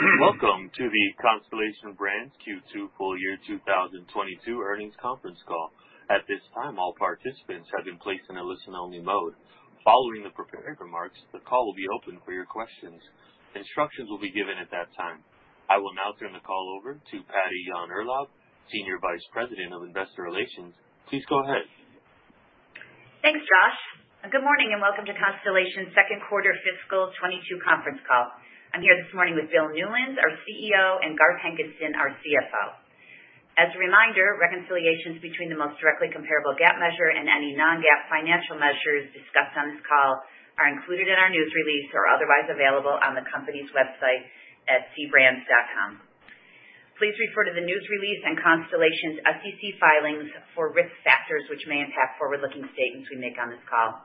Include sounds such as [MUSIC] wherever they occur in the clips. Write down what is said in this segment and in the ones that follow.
Welcome to the Constellation Brands Q2 full year 2022 earnings conference call. At this time, all participants have been placed in a listen-only mode. Following the prepared remarks, the call will be open for your questions. Instructions will be given at that time. I will now turn the call over to Patty Yahn-Urlaub, Senior Vice President of Investor Relations. Please go ahead. Thanks, Josh. Good morning, welcome to Constellation's second quarter fiscal 2022 conference call. I'm here this morning with Bill Newlands, our CEO, and Garth Hankinson, our CFO. As a reminder, reconciliations between the most directly comparable GAAP measure and any non-GAAP financial measures discussed on this call are included in our news release or are otherwise available on the company's website at cbrands.com. Please refer to the news release and Constellation's SEC filings for risk factors which may impact forward-looking statements we make on this call.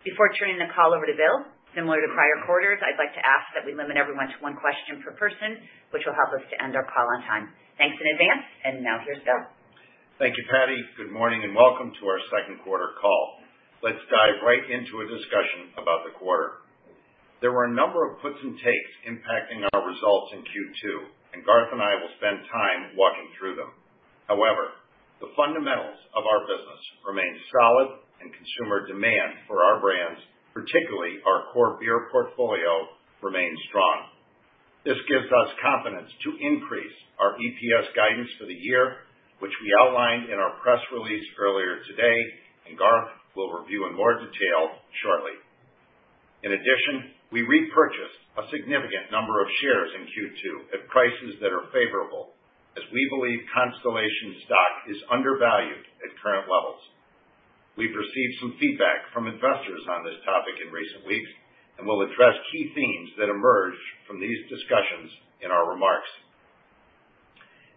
Before turning the call over to Bill, similar to prior quarters, I'd like to ask that we limit everyone to one question per person, which will help us to end our call on time. Thanks in advance, now here's Bill. Thank you, Patty. Good morning and welcome to our second quarter call. Let's dive right into a discussion about the quarter. There were a number of puts and takes impacting our results in Q2, and Garth and I will spend time walking through them. However, the fundamentals of our business remain solid, and consumer demand for our brands, particularly our core beer portfolio, remains strong. This gives us confidence to increase our EPS guidance for the year, which we outlined in our press release earlier today, and Garth will review in more detail shortly. In addition, we repurchased a significant number of shares in Q2 at prices that are favorable, as we believe Constellation stock is undervalued at current levels. We've received some feedback from investors on this topic in recent weeks and will address key themes that emerge from these discussions in our remarks.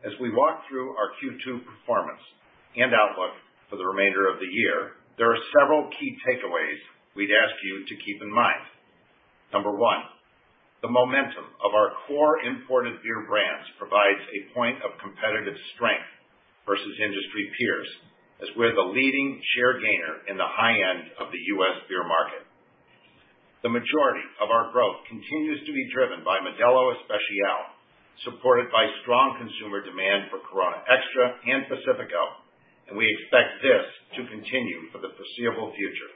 As we walk through our Q2 performance and outlook for the remainder of the year, there are several key takeaways we'd ask you to keep in mind. Number one, the momentum of our core imported beer brands provides a point of competitive strength versus industry peers, as we're the leading share gainer in the high end of the U.S. beer market. The majority of our growth continues to be driven by Modelo Especial, supported by strong consumer demand for Corona Extra and Pacifico, and we expect this to continue for the foreseeable future.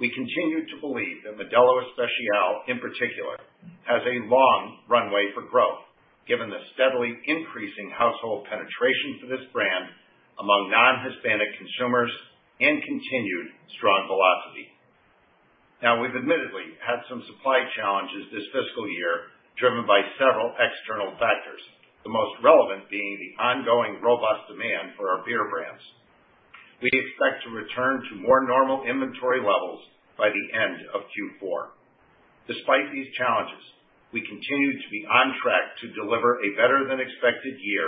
We continue to believe that Modelo Especial, in particular, has a long runway for growth, given the steadily increasing household penetration for this brand among non-Hispanic consumers and continued strong velocity. Now, we've admittedly had some supply challenges this fiscal year driven by several external factors, the most relevant being the ongoing robust demand for our beer brands. We expect to return to more normal inventory levels by the end of Q4. Despite these challenges, we continue to be on track to deliver a better than expected year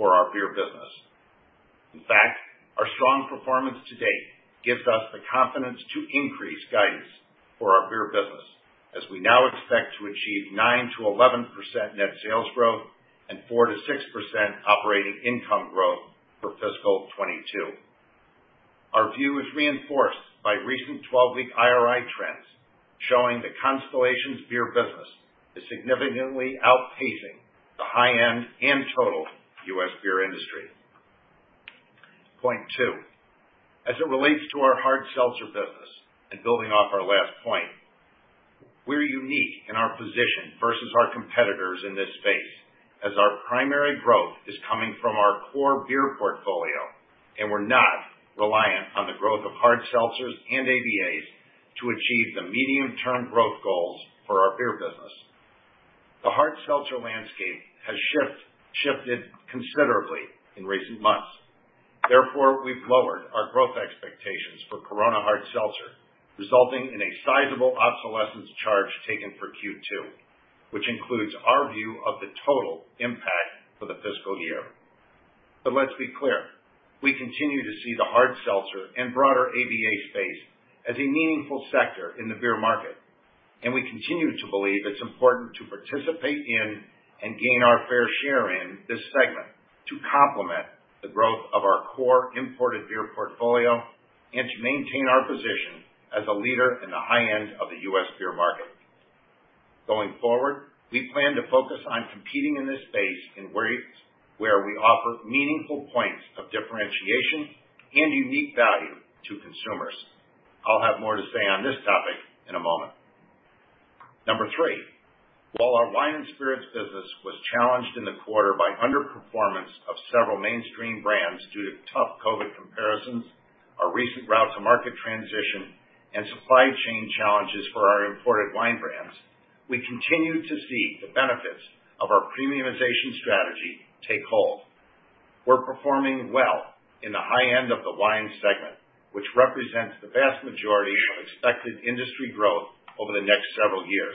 for our beer business. In fact, our strong performance to date gives us the confidence to increase guidance for our beer business, as we now expect to achieve 9%-11% net sales growth and 4%-6% operating income growth for fiscal year 2022. Our view is reinforced by recent 12-week IRI trends showing that Constellation's beer business is significantly outpacing the high end and total U.S. beer industry. Point two, as it relates to our hard seltzer business and building off our last point, we're unique in our position versus our competitors in this space, as our primary growth is coming from our core beer portfolio, and we're not reliant on the growth of hard seltzers and ABAs to achieve the medium-term growth goals for our beer business. The hard seltzer landscape has shifted considerably in recent months. Therefore, we've lowered our growth expectations for Corona Hard Seltzer, resulting in a sizable obsolescence charge taken for Q2, which includes our view of the total impact for the fiscal year. Let's be clear, we continue to see the hard seltzer and broader ABA space as a meaningful sector in the beer market, and we continue to believe it's important to participate in and gain our fair share in this segment to complement the growth of our core imported beer portfolio and to maintain our position as a leader in the high end of the U.S. beer market. Going forward, we plan to focus on competing in this space in ways where we offer meaningful points of differentiation and unique value to consumers. I'll have more to say on this topic in a moment. Number three, while our wine and spirits business was challenged in the quarter by underperformance of several mainstream brands due to tough COVID comparisons, our recent route-to-market transition, and supply chain challenges for our imported wine brands, we continue to see the benefits of our premiumization strategy take hold. We're performing well in the high end of the wine segment, which represents the vast majority of expected industry growth over the next several years,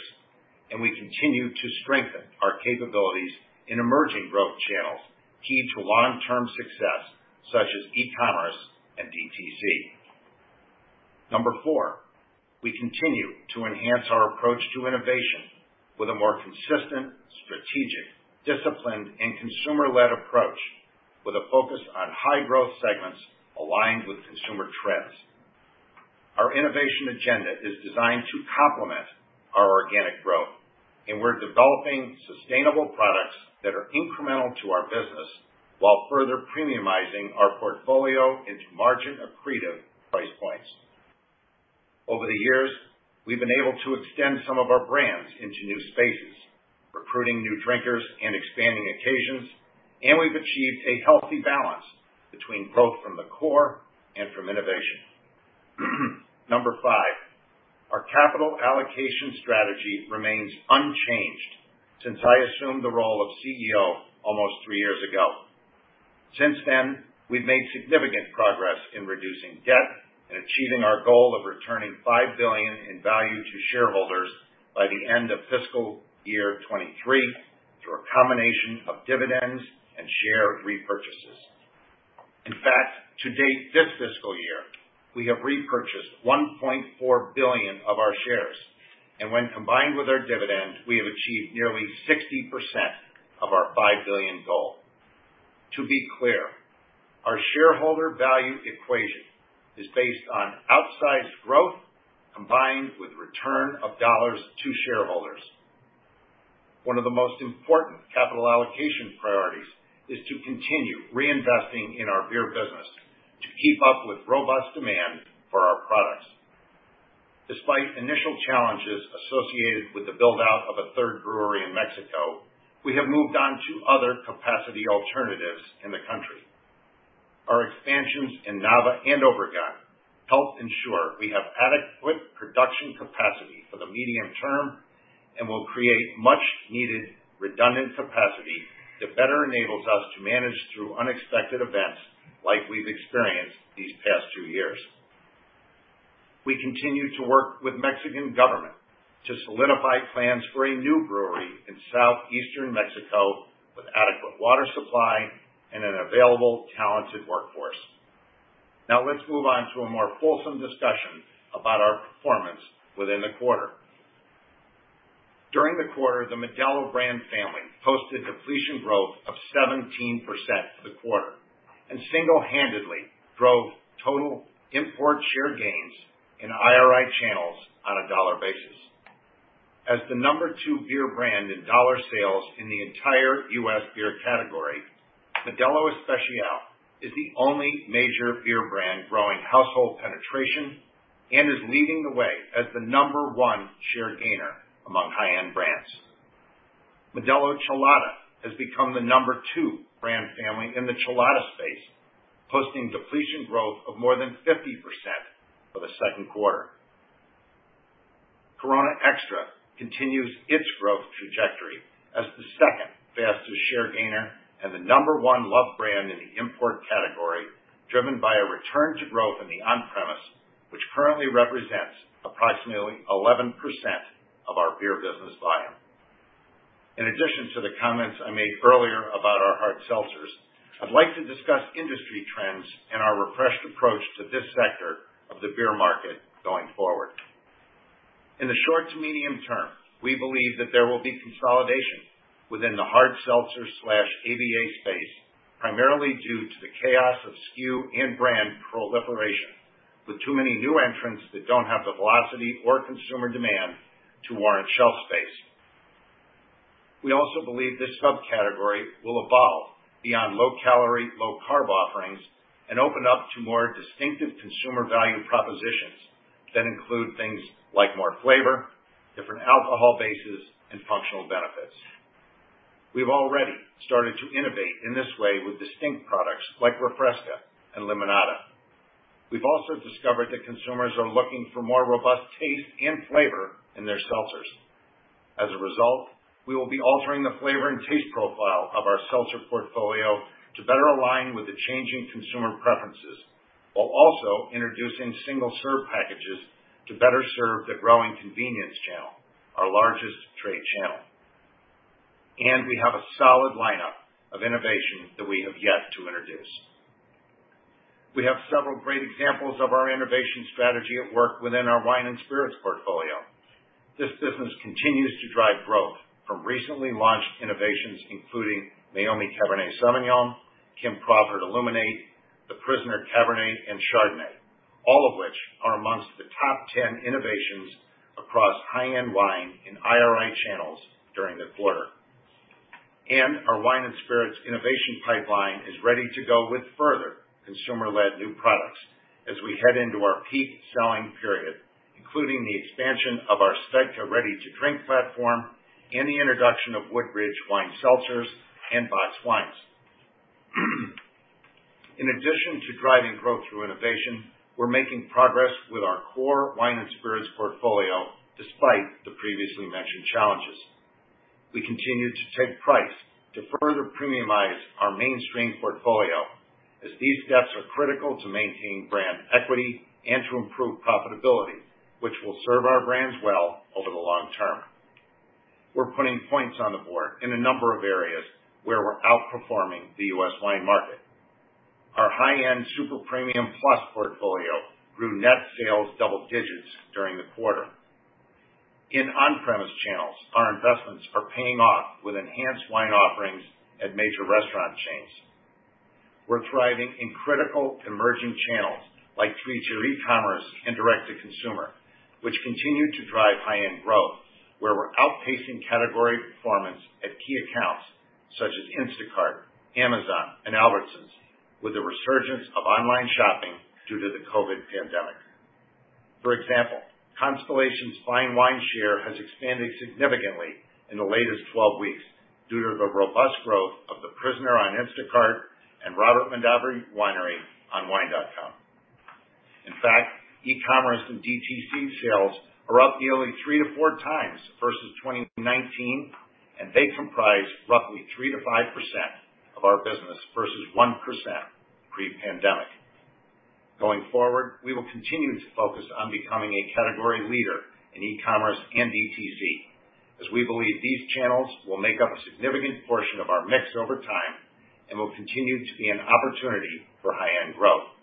and we continue to strengthen our capabilities in emerging growth channels key to long-term success, such as e-commerce and DTC. Number four, we continue to enhance our approach to innovation with a more consistent, strategic, disciplined, and consumer-led approach with a focus on high-growth segments aligned with consumer trends. Our innovation agenda is designed to complement our organic growth, and we're developing sustainable products that are incremental to our business while further premiumizing our portfolio into margin-accretive price points. Over the years, we've been able to extend some of our brands into new spaces, recruiting new drinkers and expanding occasions, and we've achieved a healthy balance between growth from the core and from innovation. Number five, our capital allocation strategy remains unchanged since I assumed the role of CEO almost three years ago. Since then, we've made significant progress in reducing debt and achieving our goal of returning $5 billion in value to shareholders by the end of fiscal year 2023, through a combination of dividends and share repurchases. In fact, to date this fiscal year, we have repurchased $1.4 billion of our shares, and when combined with our dividends, we have achieved nearly 60% of our $5 billion goal. To be clear, our shareholder value equation is based on outsized growth combined with return of dollars to shareholders. One of the most important capital allocation priorities is to continue reinvesting in our beer business to keep up with robust demand for our products. Despite initial challenges associated with the build-out of a third brewery in Mexico, we have moved on to other capacity alternatives in the country. Our expansions in Nava and Obregón help ensure we have adequate production capacity for the medium term and will create much needed redundant capacity that better enables us to manage through unexpected events like we've experienced these past two years. We continue to work with Mexican government to solidify plans for a new brewery in southeastern Mexico with adequate water supply and an available, talented workforce. Let's move on to a more fulsome discussion about our performance within the quarter. During the quarter, the Modelo brand family posted depletion growth of 17% for the quarter and single-handedly drove total import share gains in IRI channels on a dollar basis. As the number two beer brand in dollar sales in the entire U.S. beer category, Modelo Especial is the only major beer brand growing household penetration and is leading the way as the number one share gainer among high-end brands. Modelo Chelada has become the number two brand family in the Chelada space, posting depletion growth of more than 50% for the second quarter. Corona Extra continues its growth trajectory as the second fastest share gainer and the number one loved brand in the import category, driven by a return to growth in the on-premise, which currently represents approximately 11% of our beer business volume. In addition to the comments I made earlier about our hard seltzers, I'd like to discuss industry trends and our refreshed approach to this sector of the beer market going forward. In the short to medium term, we believe that there will be consolidation within the hard seltzer/ABA space, primarily due to the chaos of SKU and brand proliferation, with too many new entrants that don't have the velocity or consumer demand to warrant shelf space. We also believe this subcategory will evolve beyond low-calorie, low-carb offerings and open up to more distinctive consumer value propositions that include things like more flavor, different alcohol bases, and functional benefits. We've already started to innovate in this way with distinct products like Refresca and Limonada. We've also discovered that consumers are looking for more robust taste and flavor in their seltzers. As a result, we will be altering the flavor and taste profile of our seltzer portfolio to better align with the changing consumer preferences, while also introducing single-serve packages to better serve the growing convenience channel, our largest trade channel. We have a solid lineup of innovations that we have yet to introduce. We have several great examples of our innovation strategy at work within our wine and spirits portfolio. This business continues to drive growth from recently launched innovations including Meiomi Cabernet Sauvignon, Kim Crawford Illuminate, The Prisoner Cabernet, and Chardonnay, all of which are amongst the top 10 innovations across high-end wine in IRI channels during the quarter. Our wine and spirits innovation pipeline is ready to go with further consumer-led new products as we head into our peak selling period, including the expansion of our SVEDKA ready-to-drink platform and the introduction of Woodbridge wine seltzers and boxed wines. In addition to driving growth through innovation, we're making progress with our core wine and spirits portfolio, despite the previously mentioned challenges. We continue to take price to further premiumize our mainstream portfolio as these steps are critical to maintain brand equity and to improve profitability, which will serve our brands well over the long term. We're putting points on the board in a number of areas where we're outperforming the U.S. wine market. Our high-end super premium plus portfolio grew net sales double digits during the quarter. In on-premise channels, our investments are paying off with enhanced wine offerings at major restaurant chains. We're thriving in critical emerging channels like three-tier e-commerce and direct-to-consumer, which continue to drive high-end growth, where we're outpacing category performance at key accounts such as Instacart, Amazon, and Albertsons, with the resurgence of online shopping due to the COVID-19 pandemic. For example, Constellation's fine wine share has expanded significantly in the latest 12 weeks due to the robust growth of The Prisoner on Instacart and Robert Mondavi Winery on wine.com. In fact, e-commerce and DTC sales are up nearly 3-4 times versus 2019, they comprise roughly 3%-5% of our business versus 1% pre-pandemic. Going forward, we will continue to focus on becoming a category leader in e-commerce and DTC, as we believe these channels will make up a significant portion of our mix over time and will continue to be an opportunity for high-end growth.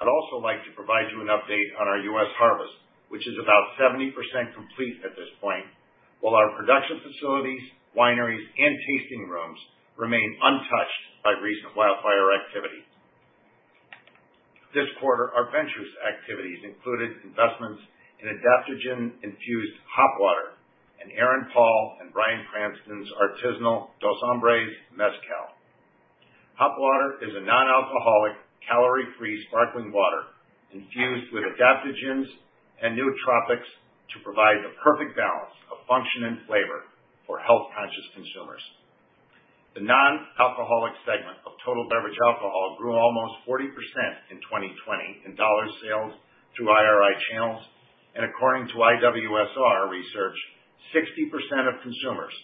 I'd also like to provide you an update on our U.S. harvest, which is about 70% complete at this point, while our production facilities, wineries, and tasting rooms remain untouched by recent wildfire activity. This quarter, our ventures activities included investments in adaptogen infused HOP WTR, and Aaron Paul and Bryan Cranston's artisanal Dos Hombres Mezcal. HOP WTR is a non-alcoholic, calorie-free sparkling water infused with adaptogens and nootropics to provide the perfect balance of function and flavor for health-conscious consumers. The non-alcoholic segment of total beverage alcohol grew almost 40% in 2020 in dollar sales through IRI channels. According to IWSR research, 60% of consumers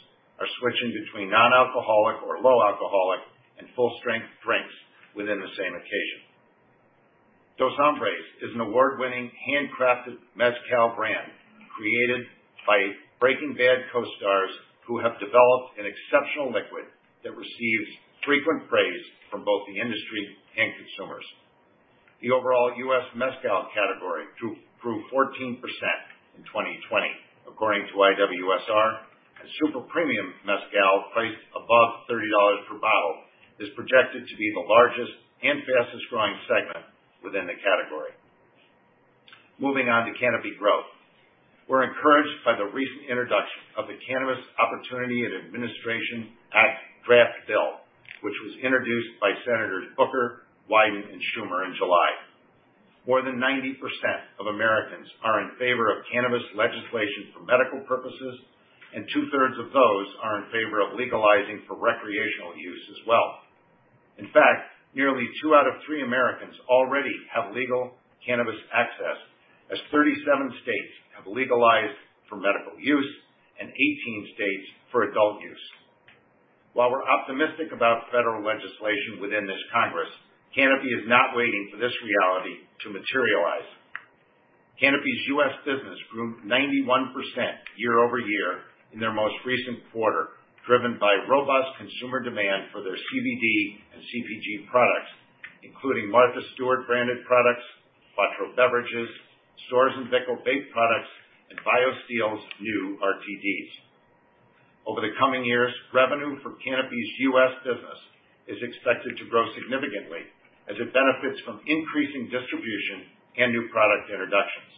are switching between non-alcoholic or low alcoholic and full-strength drinks within the same occasion. Dos Hombres is an award-winning, handcrafted mezcal brand created by "Breaking Bad" co-stars who have developed an exceptional liquid that receives frequent praise from both the industry and consumers. The overall U.S. mezcal category grew 14% in 2020, according to IWSR, and super premium mezcal priced above $30 per bottle is projected to be the largest and fastest growing segment within the category. Moving on to Canopy Growth. We're encouraged by the recent introduction of the Cannabis Administration and Opportunity Act draft bill, which was introduced by Senators Booker, Wyden, and Schumer in July. More than 90% of Americans are in favor of cannabis legislation for medical purposes, and two thirds of those are in favor of legalizing for recreational use as well. In fact, nearly two out of three Americans already have legal cannabis access, as 37 states have legalized for medical use and 18 states for adult use. While we're optimistic about federal legislation within this Congress, Canopy is not waiting for this reality to materialize. Canopy's U.S. business grew 91% year-over-year in their most recent quarter, driven by robust consumer demand for their CBD and CPG products, including Martha Stewart branded products, Quatreau beverages, Storz & Bickel baked products, and BioSteel's new RTDs. Over the coming years, revenue from Canopy's U.S. business is expected to grow significantly as it benefits from increasing distribution and new product introductions.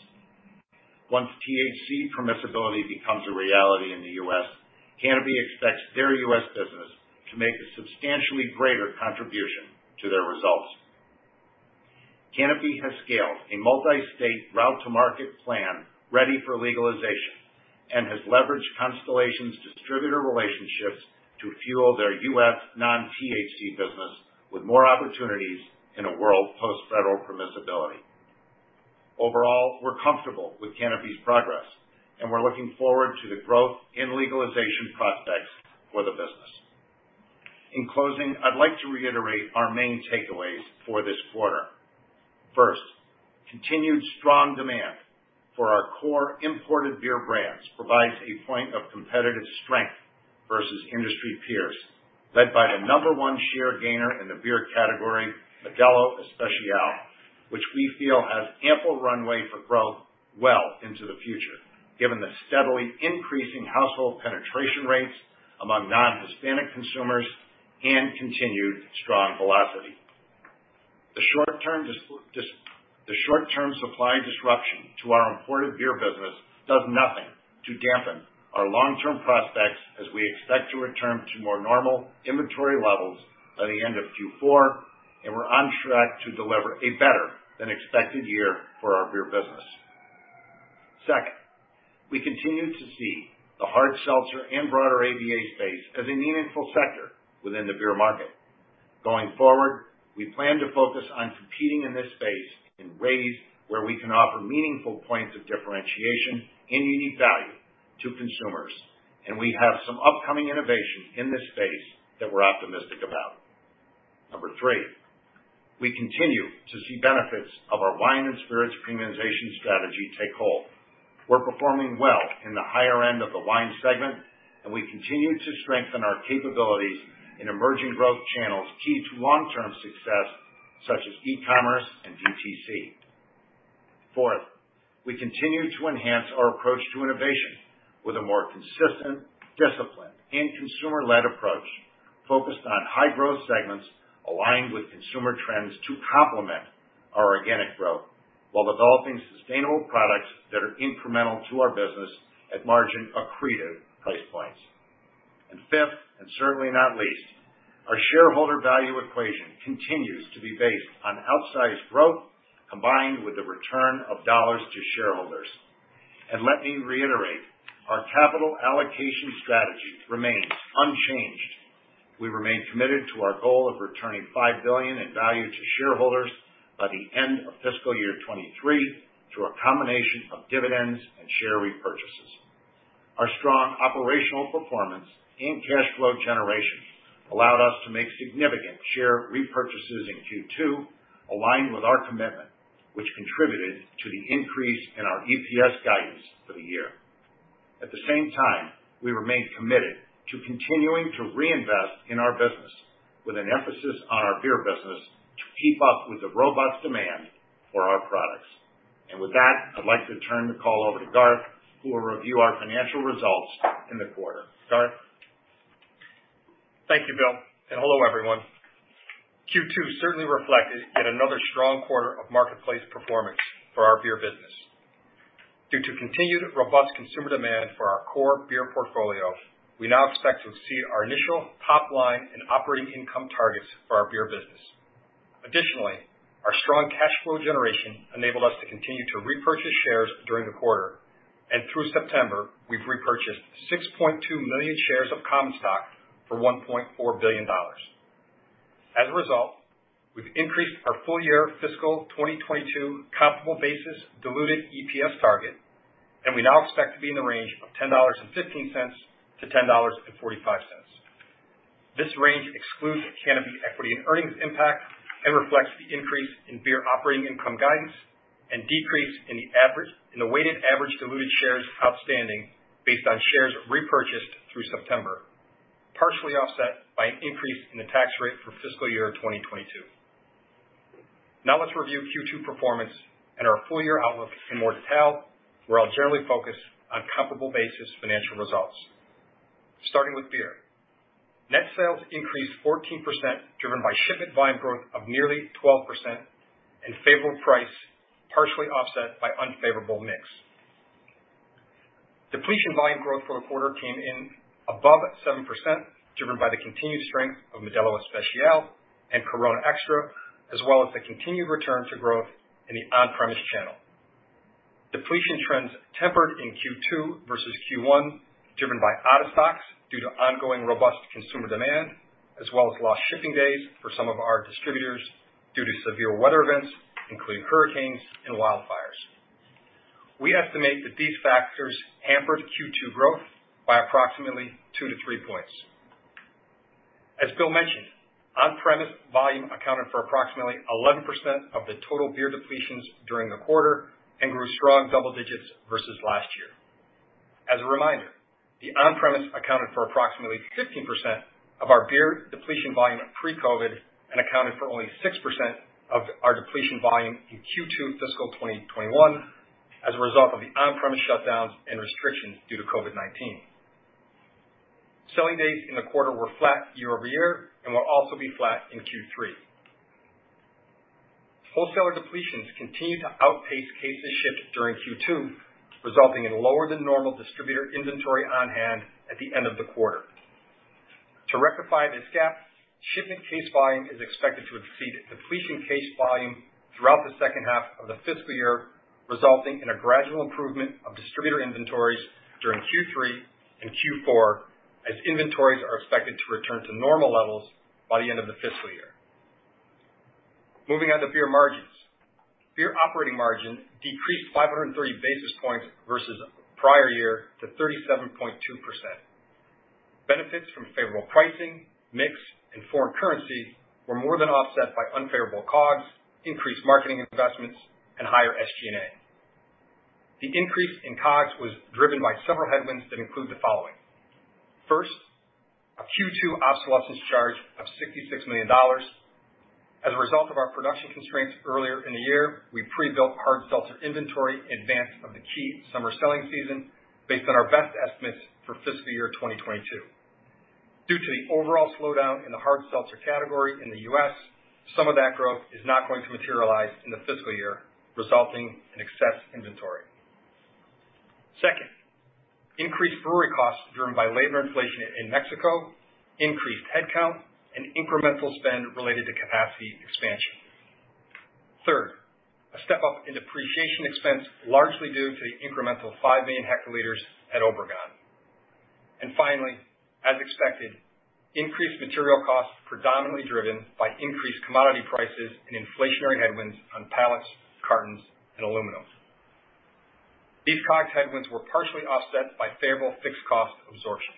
Once THC permissibility becomes a reality in the U.S., Canopy expects their U.S. business to make a substantially greater contribution to their results. Canopy has scaled a multi-state route-to-market plan ready for legalization and has leveraged Constellation's distributor relationships to fuel their U.S. non-THC business with more opportunities in a world post federal permissibility. We're comfortable with Canopy's progress, and we're looking forward to the growth in legalization prospects for the business. In closing, I'd like to reiterate our main takeaways for this quarter. First, continued strong demand for our core imported beer brands provides a point of competitive strength versus industry peers, led by the number one share gainer in the beer category, Modelo Especial, which we feel has ample runway for growth well into the future, given the steadily increasing household penetration rates among non-Hispanic consumers and continued strong velocity. The short-term supply disruption to our imported beer business does nothing to dampen our long-term prospects as we expect to return to more normal inventory levels by the end of Q4, and we're on track to deliver a better than expected year for our beer business. Second, we continue to see the hard seltzer and broader ABA space as a meaningful sector within the beer market. Going forward, we plan to focus on competing in this space in ways where we can offer meaningful points of differentiation and unique value to consumers, and we have some upcoming innovations in this space that we're optimistic about. Number three, we continue to see benefits of our wine and spirits premiumization strategy take hold. We're performing well in the higher end of the wine segment, and we continue to strengthen our capabilities in emerging growth channels key to long-term success such as e-commerce and DTC. Fourth, we continue to enhance our approach to innovation with a more consistent, disciplined, and consumer-led approach focused on high growth segments, aligned with consumer trends to complement our organic growth, while developing sustainable products that are incremental to our business at margin-accretive price points. Fifth, and certainly not least, our shareholder value equation continues to be based on outsized growth, combined with the return of dollars to shareholders. Let me reiterate, our capital allocation strategy remains unchanged. We remain committed to our goal of returning $5 billion in value to shareholders by the end of fiscal year 2023 through a combination of dividends and share repurchases. Our strong operational performance and cash flow generation allowed us to make significant share repurchases in Q2, aligned with our commitment, which contributed to the increase in our EPS guidance for the year. At the same time, we remain committed to continuing to reinvest in our business, with an emphasis on our beer business, to keep up with the robust demand for our products. With that, I'd like to turn the call over to Garth, who will review our financial results in the quarter. Garth? Thank you, Bill, and hello, everyone. Q2 certainly reflected yet another strong quarter of marketplace performance for our beer business. Due to continued robust consumer demand for our core beer portfolio, we now expect to exceed our initial top line and operating income targets for our beer business. Additionally, our strong cash flow generation enabled us to continue to repurchase shares during the quarter, and through September, we've repurchased 6.2 million shares of common stock for $1.4 billion. As a result, we've increased our full year fiscal 2022 comparable basis diluted EPS target, and we now expect to be in the range of $10.15-$10.45. This range excludes Canopy equity and earnings impact and reflects the increase in beer operating income guidance and decrease in the weighted average diluted shares outstanding based on shares repurchased through September, partially offset by an increase in the tax rate for fiscal year 2022. Let's review Q2 performance and our full-year outlook in more detail, where I'll generally focus on comparable basis financial results. Starting with beer. Net sales increased 14%, driven by shipment volume growth of nearly 12% and favorable price, partially offset by unfavorable mix. Depletion volume growth for the quarter came in above 7%, driven by the continued strength of Modelo Especial and Corona Extra, as well as the continued return to growth in the on-premise channel. Depletion trends tempered in Q2 versus Q1, driven by out of stocks due to ongoing robust consumer demand, as well as lost shipping days for some of our distributors due to severe weather events, including hurricanes and wildfires. We estimate that these factors hampered Q2 growth by approximately two to three points. As Bill mentioned, on-premise volume accounted for approximately 11% of the total beer depletions during the quarter and grew strong double digits versus last year. As a reminder, the on-premise accounted for approximately 15% of our beer depletion volume pre-COVID-19 and accounted for only 6% of our depletion volume in Q2 fiscal 2021 as a result of the on-premise shutdowns and restrictions due to COVID-19. Selling days in the quarter were flat year-over-year and will also be flat in Q3. Wholesaler depletions continued to outpace cases shipped during Q2, resulting in lower than normal distributor inventory on hand at the end of the quarter. To rectify this gap, shipment case volume is expected to exceed depletion case volume throughout the second half of the fiscal year, resulting in a gradual improvement of distributor inventories during Q3 and Q4 as inventories are expected to return to normal levels by the end of the fiscal year. Moving on to beer margins. Beer operating margin decreased 530 basis points versus prior year to 37.2%. Benefits from favorable pricing, mix, and foreign currency were more than offset by unfavorable COGS, increased marketing investments, and higher SG&A. The increase in COGS was driven by several headwinds that include the following. First, a Q2 obsolescence charge of $66 million. As a result of our production constraints earlier in the year, we pre-built hard seltzer inventory in advance of the key summer selling season based on our best estimates for fiscal year 2022. Due to the overall slowdown in the hard seltzer category in the U.S., some of that growth is not going to materialize in the fiscal year, resulting in excess inventory. Second, increased brewery costs driven by labor inflation in Mexico, increased headcount, and incremental spend related to capacity expansion. Third, a step-up in depreciation expense, largely due to the incremental 5 million hL at Obregon. Finally, as expected, increased material costs predominantly driven by increased commodity prices and inflationary headwinds on pallets, cartons, and aluminum. These COGS headwinds were partially offset by favorable fixed cost absorption.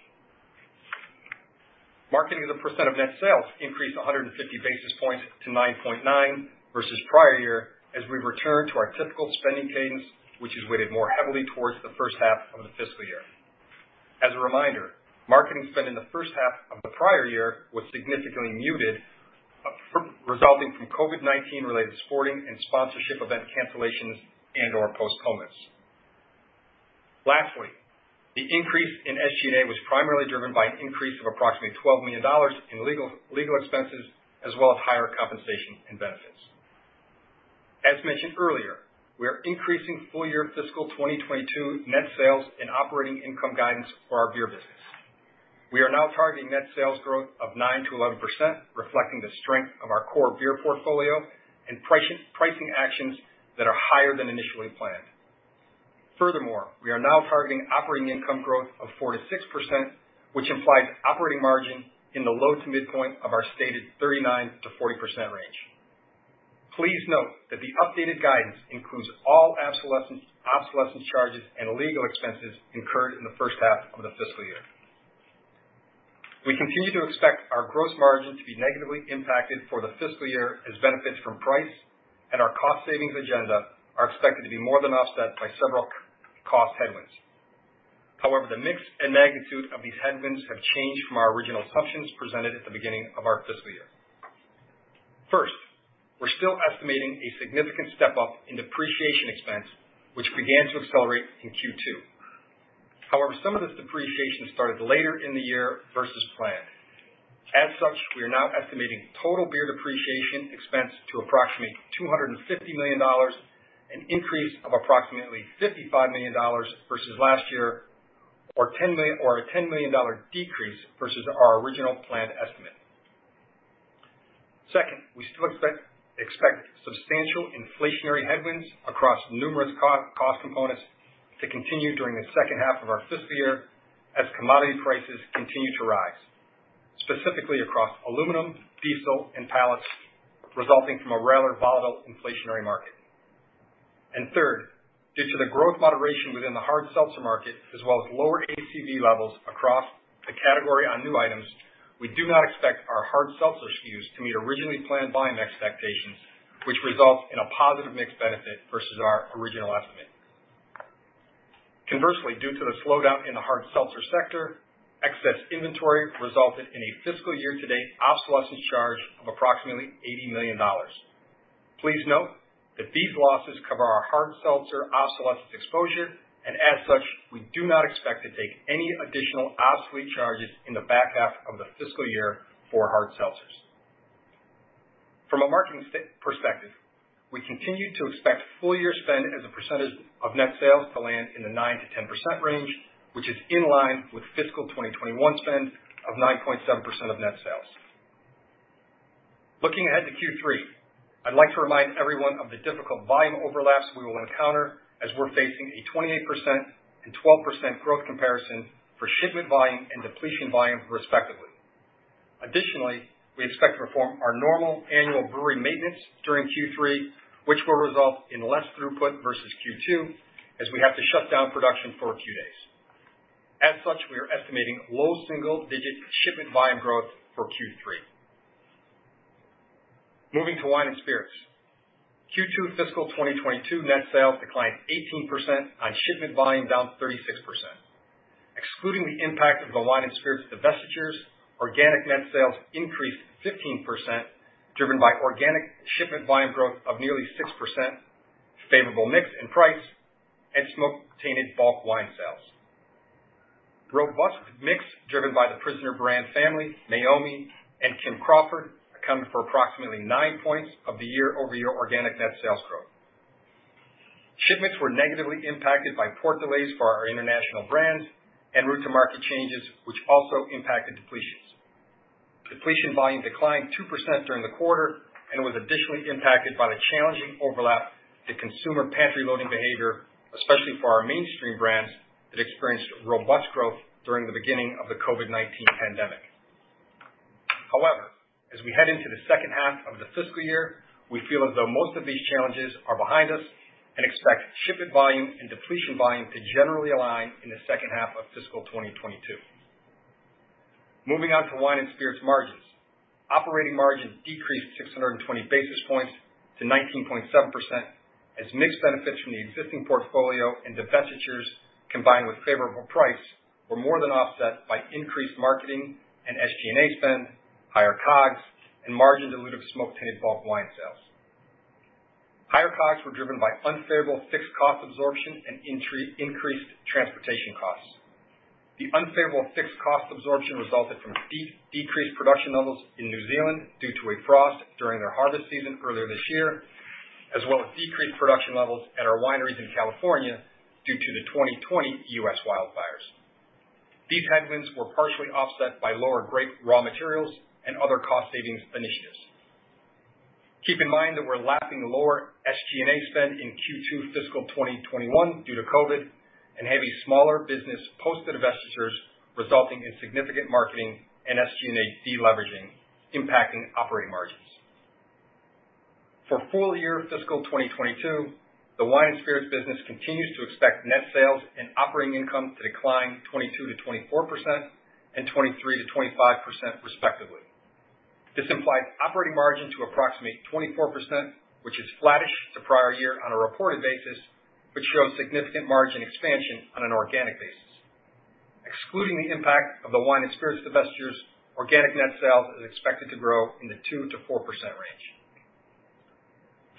Marketing as a percent of net sales increased 150 basis points to 9.9% versus prior year as we return to our typical spending cadence, which is weighted more heavily towards the first half of the fiscal year. As a reminder, marketing spend in the first half of the prior year was significantly muted, resulting from COVID-19 related sporting and sponsorship event cancellations and/or postponements. Lastly, the increase in SG&A was primarily driven by an by an increase of approximately $12 million in legal expenses, as well as higher compensation and benefits. As mentioned earlier, we are increasing full year fiscal 2022 net sales and operating income guidance for our beer business. We are now targeting net sales growth of 9%-11%, reflecting the strength of our core beer portfolio and pricing actions that are higher than initially planned. Furthermore, we are now targeting operating income growth of 4%-6%, which implies operating margin in the low to midpoint of our stated 39%-40% range. Please note that the updated guidance includes all obsolescence charges and legal expenses incurred in the first half of the fiscal year. We continue to expect our gross margin to be negatively impacted for the fiscal year as benefits from price and our cost savings agenda are expected to be more than offset by several cost headwinds. However, the mix and magnitude of these headwinds have changed from our original assumptions presented at the beginning of our fiscal year. First, we're still estimating a significant step-up in depreciation expense, which began to accelerate in Q2. However, some of this depreciation started later in the year versus planned. As such, we are now estimating total beer depreciation expense to approximate $250 million, an increase of approximately $55 million versus last year, or a $10 million decrease versus our original planned estimate. Second, we still expect substantial inflationary headwinds across numerous cost components to continue during the second half of our fiscal year as commodity prices continue to rise, specifically across aluminum, diesel, and pallets, resulting from a rather volatile inflationary market. Third, due to the growth moderation within the hard seltzer market, as well as lower ACV levels across the category on new items, we do not expect our hard seltzer SKUs to meet originally planned volume expectations, which results in a positive mix benefit versus our original estimate. Conversely, due to the slowdown in the hard seltzer sector, excess inventory resulted in a fiscal year-to-date obsolescence charge of approximately $80 million. Please note that these losses cover our hard seltzer obsolescence exposure. As such, we do not expect to take any additional obsolete charges in the back half of the fiscal year for hard seltzers. From a marketing perspective, we continue to expect full year spend as a percentage of net sales to land in the 9%-10% range, which is in line with fiscal 2021 spend of 9.7% of net sales. Looking ahead to Q3, I'd like to remind everyone of the difficult volume overlaps we will encounter as we're facing a 28% and 12% growth comparison for shipment volume and depletion volume, respectively. Additionally, we expect to perform our normal annual brewery maintenance during Q3, which will result in less throughput versus Q2, as we have to shut down production for a few days. As such, we are estimating low single-digit shipment volume growth for Q3. Moving to wine and spirits. Q2 fiscal year 2022 net sales declined 18% on shipment volume down 36%. Excluding the impact of the wine and spirits divestitures, organic net sales increased 15%, driven by organic shipment volume growth of nearly 6%, favorable mix in price, and smoke-tainted bulk wine sales. Robust mix driven by The Prisoner Brand family, Meiomi, and Kim Crawford accounted for approximately nine points of the year-over-year organic net sales growth. Shipments were negatively impacted by port delays for our international brands and route to market changes, which also impacted depletions. Depletion volume declined 2% during the quarter and was additionally impacted by the challenging overlap to consumer pantry loading behavior, especially for our mainstream brands that experienced robust growth during the beginning of the COVID-19 pandemic. However, as we head into the second half of the fiscal year, we feel as though most of these challenges are behind us and expect shipment volume and depletion volume to generally align in the second half of fiscal year 2022. Moving on to wine and spirits margins. Operating margins decreased 620 basis points to 19.7% as mixed benefits from the existing portfolio and divestitures combined with favorable price were more than offset by increased marketing and SG&A spend, higher COGS, and margin dilute of smoke-tainted bulk wine sales. Higher COGS were driven by unfavorable fixed cost absorption and increased transportation costs. The unfavorable fixed cost absorption resulted from decreased production levels in New Zealand due to a frost during their harvest season earlier this year, as well as decreased production levels at our wineries in California due to the 2020 U.S. wildfires. These headwinds were partially offset by lower grape raw materials and other cost-savings initiatives. Keep in mind that we're lapping lower SG&A spend in Q2 fiscal year 2021 due to COVID and having smaller business post divestitures, resulting in significant marketing and SG&A de-leveraging, impacting operating margins. For full year fiscal year 2022, the wine and spirits business continues to expect net sales and operating income to decline 22%-24% and 23%-25%, respectively. This implies operating margin to approximate 24%, which is flattish to prior year on a reported basis, but shows significant margin expansion on an organic basis. Excluding the impact of the wine and spirits divestitures, organic net sales is expected to grow in the 2%-4% range.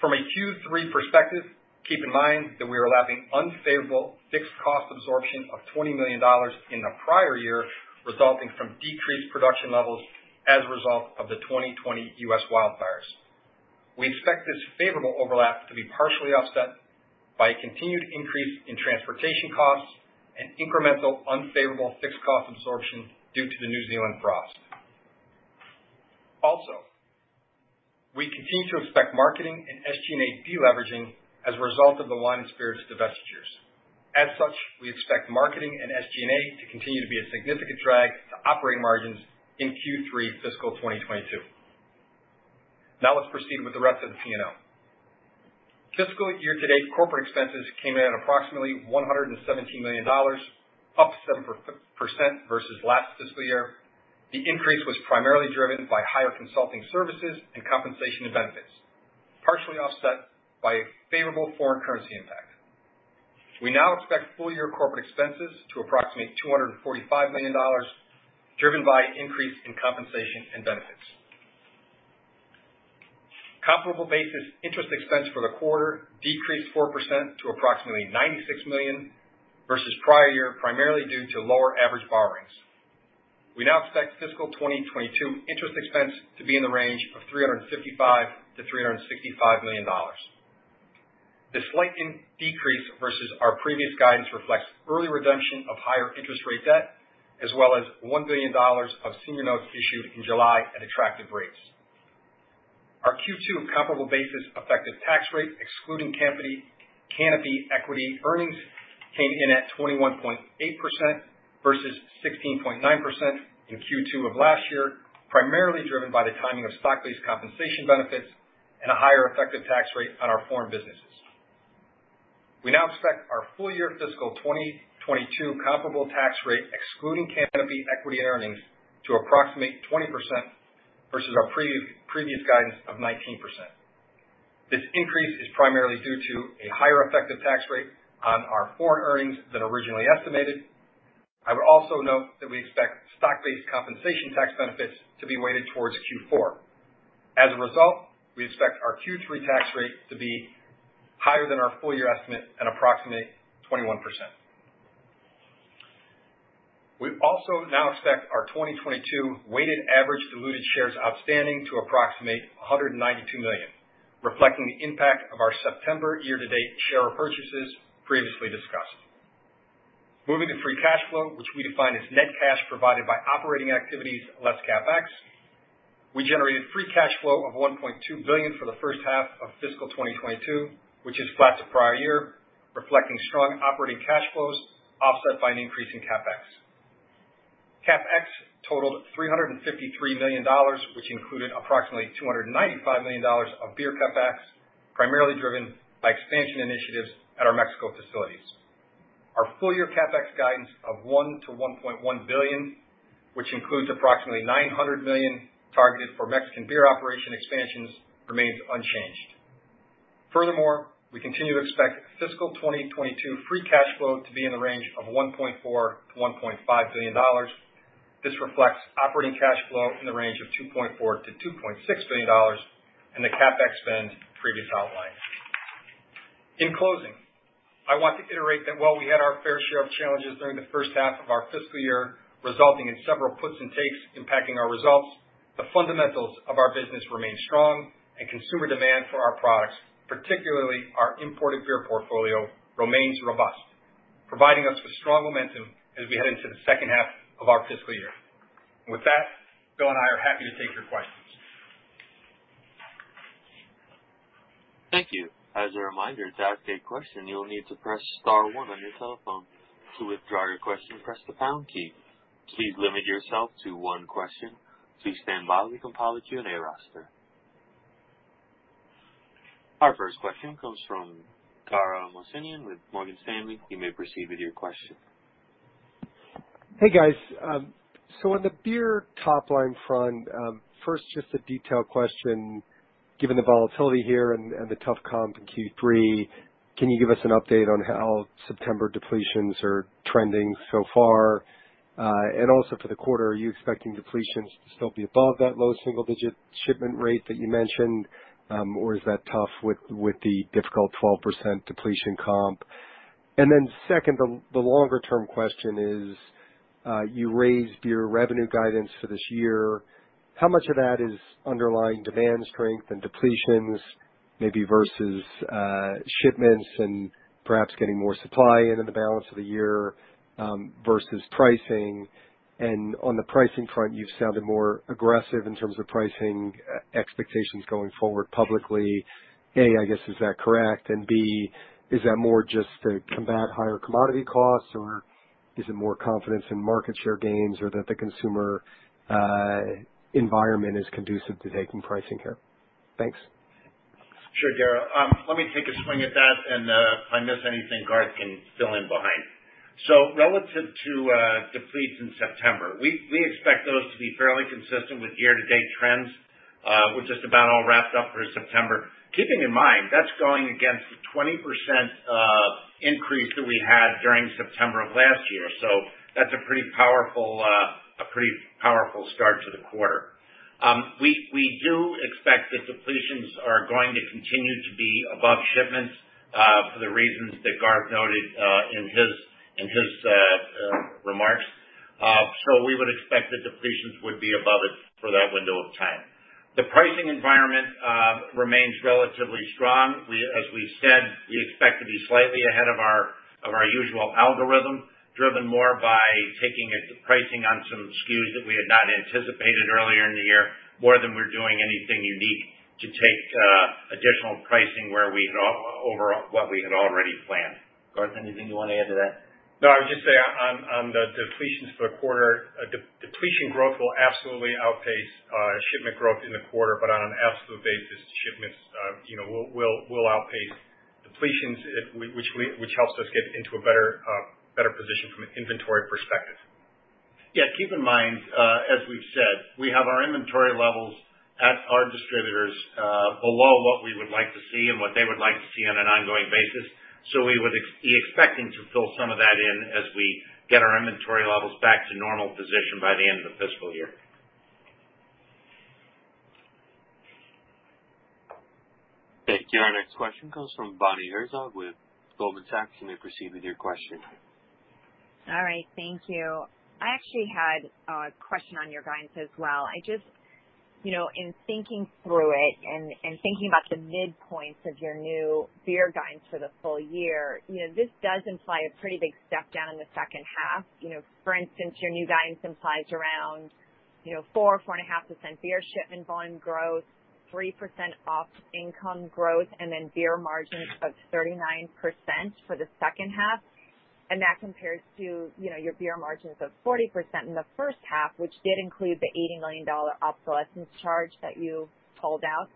From a Q3 perspective, keep in mind that we are lapping unfavorable fixed cost absorption of $20 million in the prior year, resulting from decreased production levels as a result of the 2020 U.S. wildfires. We expect this favorable overlap to be partially offset by a continued increase in transportation costs and incremental unfavorable fixed cost absorption due to the New Zealand frost. Also, we continue to expect marketing and SG&A deleveraging as a result of the wine and spirits divestitures. As such, we expect marketing and SG&A to continue to be a significant drag to operating margins in Q3 fiscal year 2022. Now let's proceed with the rest of the P&L. Fiscal year to date corporate expenses came in at approximately $117 million, up 7% versus last fiscal year. The increase was primarily driven by higher consulting services and compensation benefits, partially offset by a favorable foreign currency impact. We now expect full-year corporate expenses to approximate $245 million, driven by increase in compensation and benefits. Comparable basis interest expense for the quarter decreased 4% to approximately $96 million versus prior year, primarily due to lower average borrowings. We now expect fiscal year 2022 interest expense to be in the range of $355 million-$365 million. The slight decrease versus our previous guidance reflects early redemption of higher interest rate debt, as well as $1 billion of senior notes issued in July at attractive rates. Our Q2 comparable basis effective tax rate, excluding Canopy equity earnings, came in at 21.8% versus 16.9% in Q2 of last year, primarily driven by the timing of stock-based compensation benefits and a higher effective tax rate on our foreign businesses. We now expect our full-year fiscal 2022 comparable tax rate, excluding Canopy equity earnings, to approximate 20% versus our previous guidance of 19%. This increase is primarily due to a higher effective tax rate on our foreign earnings than originally estimated. I would also note that we expect stock-based compensation tax benefits to be weighted towards Q4. As a result, we expect our Q3 tax rate to be higher than our full-year estimate at approximate 21%. We also now expect our 2022 weighted average diluted shares outstanding to approximate 192 million, reflecting the impact of our September year-to-date share purchases previously discussed. Moving to free cash flow, which we define as net cash provided by operating activities, less CapEx. We generated free cash flow of $1.2 billion for the first half of fiscal year 2022, which is flat to prior year, reflecting strong operating cash flows offset by an increase in CapEx. CapEx totaled $353 million, which included approximately $295 million of beer CapEx, primarily driven by expansion initiatives at our Mexico facilities. Our full-year CapEx guidance of $1 billion-$1.1 billion, which includes approximately $900 million targeted for Mexican beer operation expansions, remains unchanged. Furthermore, we continue to expect fiscal 2022 free cash flow to be in the range of $1.4 billion-$1.5 billion. This reflects operating cash flow in the range of $2.4 billion-$2.6 billion and the CapEx spend previously outlined. In closing, I want to iterate that while we had our fair share of challenges during the first half of our fiscal year, resulting in several puts and takes impacting our results, the fundamentals of our business remain strong, and consumer demand for our products, particularly our imported beer portfolio, remains robust, providing us with strong momentum as we head into the second half of our fiscal year. With that, Bill and I are happy to take your questions. Thank you. Please limit yourself to one question. Please stand by. We compile a Q&A roster. Our first question comes from Dara Mohsenian with Morgan Stanley. You may proceed with your question. Hey, guys. On the beer top-line front, first, just a detailed question. Given the volatility here and the tough comp in Q3, can you give us an update on how September depletions are trending so far? Also for the quarter, are you expecting depletions to still be above that low single-digit shipment rate that you mentioned? Is that tough with the difficult 12% depletion comp? Second, the longer-term question is, you raised your revenue guidance for this year. How much of that is underlying demand strength and depletions maybe versus shipments and perhaps getting more supply in in the balance of the year, versus pricing? On the pricing front, you've sounded more aggressive in terms of pricing expectations going forward publicly. A, I guess, is that correct, and B, is that more just to combat higher commodity costs, or is it more confidence in market share gains or that the consumer environment is conducive to taking pricing here? Thanks. Sure, Dara. Let me take a swing at that, and if I miss anything, Garth can fill in behind. Relative to depletes in September, we expect those to be fairly consistent with year-to-date trends. We're just about all wrapped up for September, keeping in mind that's going against the 20% increase that we had during September of last year. That's a pretty powerful start to the quarter. We do expect that depletions are going to continue to be above shipments for the reasons that Garth noted in his remarks. We would expect the depletions would be above it for that window of time. The pricing environment remains relatively strong. As we said, we expect to be slightly ahead of our usual algorithm, driven more by taking pricing on some SKUs that we had not anticipated earlier in the year, more than we're doing anything unique to take additional pricing over what we had already planned. Garth, anything you want to add to that? I would just say on the depletions for the quarter, depletion growth will absolutely outpace shipment growth in the quarter, but on an absolute basis, shipments will outpace depletions, which helps us get into a better position from an inventory perspective. Yeah. Keep in mind, as we've said, we have our inventory levels at our distributors below what we would like to see and what they would like to see on an ongoing basis. We would be expecting to fill some of that in as we get our inventory levels back to normal position by the end of the fiscal year. Thank you. Our next question comes from Bonnie Herzog with Goldman Sachs. You may proceed with your question. All right. Thank you. I actually had a question on your guidance as well. In thinking through it and thinking about the midpoints of your new beer guidance for the full year, this does imply a pretty big step down in the second half. For instance, your new guidance implies around 4%-4.5% beer shipment volume growth, 3% Of income growth, and then beer margins of 39% for the second half. That compares to your beer margins of 40% in the first half, which did include the $80 million obsolescence charge that you called out.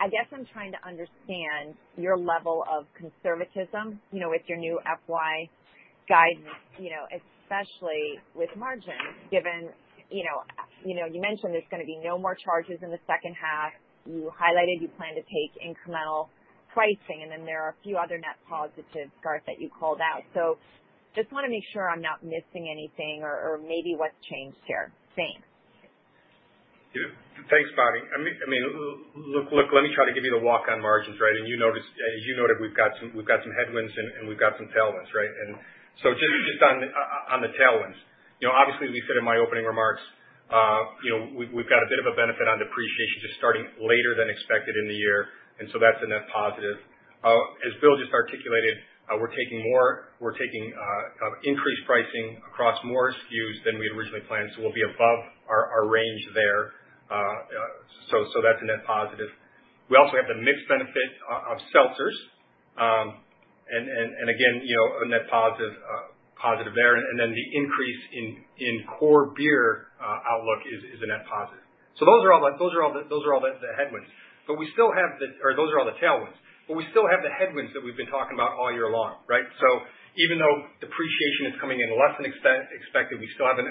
I guess I'm trying to understand your level of conservatism with your new FY guidance, especially with margins given you mentioned there's going to be no more charges in the second half. You highlighted you plan to take incremental pricing, there are a few other net positives, Garth, that you called out. I just want to make sure I'm not missing anything or maybe what's changed here. Thanks. Yeah. Thanks, Bonnie. Let me try to give you the walk on margins, right? You noted we've got some headwinds and we've got some tailwinds, right? Just on the tailwinds, obviously as we said in my opening remarks, we've got a bit of a benefit on depreciation just starting later than expected in the year, and so that's a net positive. As Bill just articulated, we're taking increased pricing across more SKUs than we had originally planned, so we'll be above our range there. That's a net positive. We also have the mixed benefit of seltzers. Again, a net positive there. The increase in core beer outlook is a net positive. Those are all the tailwinds. We still have the headwinds that we've been talking about all year long, right? Even though depreciation is coming in less than expected, we still have an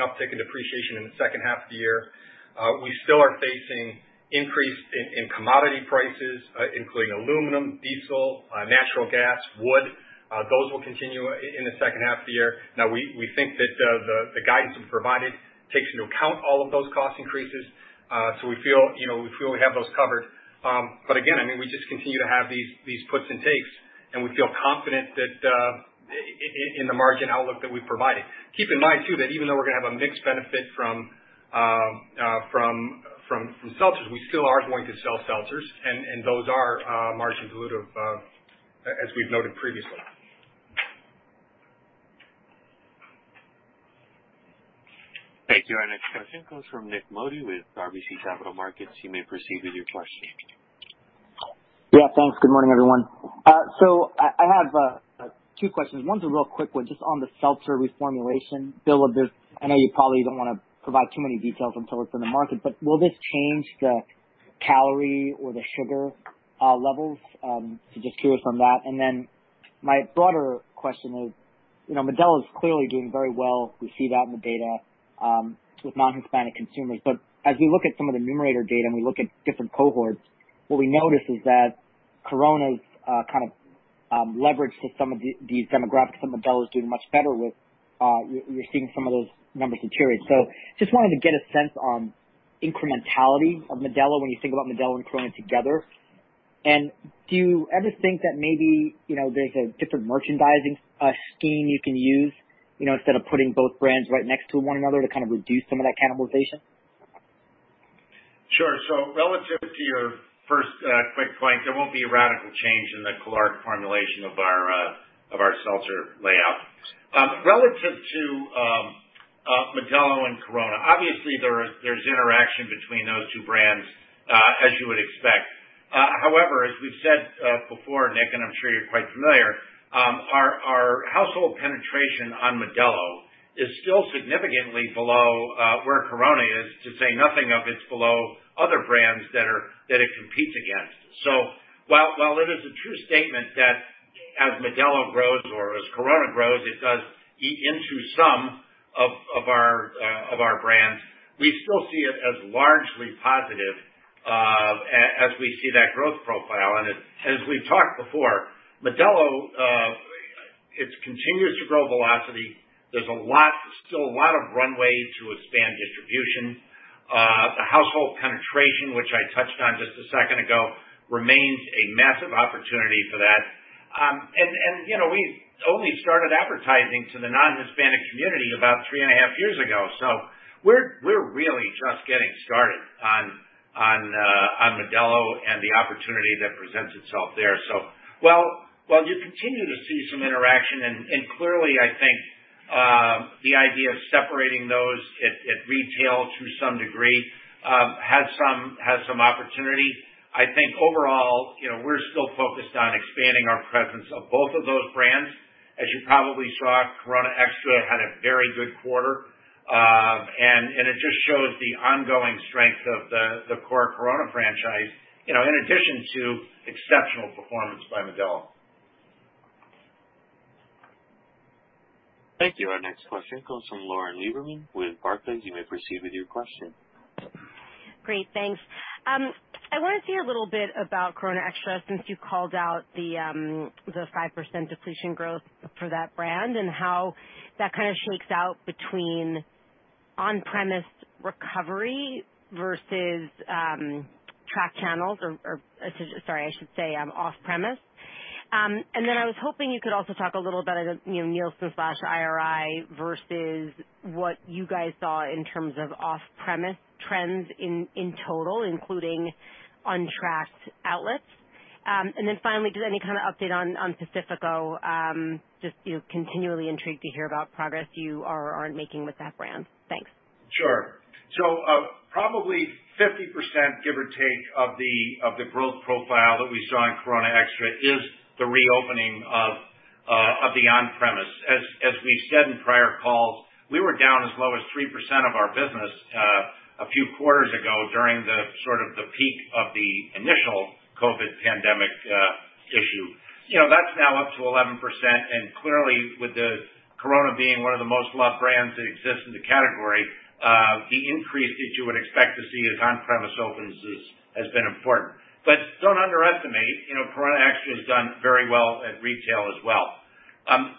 uptick in depreciation in the second half of the year. We still are facing increase in commodity prices, including aluminum, diesel, natural gas, wood. Those will continue in the second half of the year. We think that the guidance we've provided takes into account all of those cost increases. We feel we have those covered. Again, we just continue to have these puts and takes, and we feel confident in the margin outlook that we've provided. Keep in mind too, that even though we're going to have a mixed benefit from seltzers, we still are going to sell seltzers, and those are margin dilutive, as we've noted previously. Thank you. Our next question comes from Nik Modi with RBC Capital Markets. You may proceed with your question. Thanks. I have two questions. One's a real quick one, just on the seltzer reformulation. Bill, I know you probably don't want to provide too many details until it's in the market, but will this change the calorie or the sugar levels? Just curious on that. My broader question is, Modelo's clearly doing very well. We see that in the data with non-Hispanic consumers. As we look at some of the numerator data and we look at different cohorts, what we notice is that Corona's kind of leveraged to some of these demographics that Modelo's doing much better with. We're seeing some of those numbers deteriorate. Just wanted to get a sense on incrementality of Modelo when you think about Modelo and Corona together. Do you ever think that maybe there's a different merchandising scheme you can use, instead of putting both brands right next to one another to kind of reduce some of that cannibalization? Sure. Relative to your first quick point, there won't be a radical change in the caloric formulation of our seltzer layout. Relative to Modelo and Corona, obviously there's interaction between those two brands as you would expect. As we've said before, Nik, and I'm sure you're quite familiar, our household penetration on Modelo is still significantly below where Corona is, to say nothing of it's below other brands that it competes against. While it is a true statement that as Modelo grows or as Corona grows, it does eat into some of our brands, we still see it as largely positive as we see that growth profile. As we've talked before, Modelo, it continues to grow velocity. There's still a lot of runway to expand distribution. The household penetration, which I touched on just a second ago, remains a massive opportunity for that. We only started advertising to the non-Hispanic community about three and a half years ago. We're really just getting started on Modelo and the opportunity that presents itself there. While you continue to see some interaction, and clearly, I think, the idea of separating those at retail to some degree, has some opportunity. I think overall, we're still focused on expanding our presence of both of those brands. As you probably saw, Corona Extra had a very good quarter. It just shows the ongoing strength of the core Corona franchise, in addition to exceptional performance by Modelo. Thank you. Our next question comes from Lauren Lieberman with Barclays. You may proceed with your question. Great. Thanks. I want to hear a little bit about Corona Extra since you called out the 5% depletion growth for that brand and how that kind of shakes out between on-premise recovery versus track channels or, sorry, I should say, off-premise. I was hoping you could also talk a little about the Nielsen/IRI versus what you guys saw in terms of off-premise trends in total, including untracked outlets. Finally, just any kind of update on Pacifico, just continually intrigued to hear about progress you are making with that brand. Thanks. Sure. Probably 50%, give or take, of the growth profile that we saw in Corona Extra is the reopening of the on-premise. As we said in prior calls, we were down as low as 3% of our business a few quarters ago during the sort of the peak of the initial COVID-19 pandemic issue. That's now up to 11%, clearly, with Corona being one of the most loved brands that exists in the category, the increase that you would expect to see as on-premise opens has been important. Don't underestimate, Corona Extra has done very well at retail as well.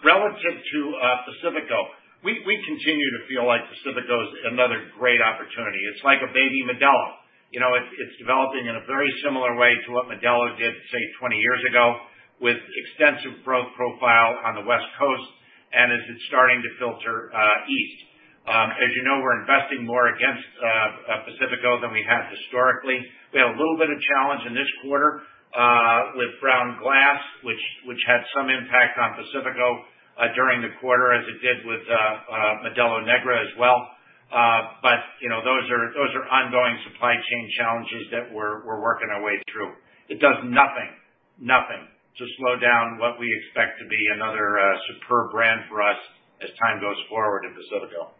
Relative to Pacifico, we continue to feel like Pacifico is another great opportunity. It's like a baby Modelo. It's developing in a very similar way to what Modelo did, say, 20 years ago, with extensive growth profile on the West Coast, as it's starting to filter east. As you know, we're investing more against Pacifico than we have historically. We had a little bit of challenge in this quarter with brown glass, which had some impact on Pacifico during the quarter as it did with Modelo Negra as well. Those are ongoing supply chain challenges that we're working our way through. It does nothing to slow down what we expect to be another superb brand for us as time goes forward in Pacifico.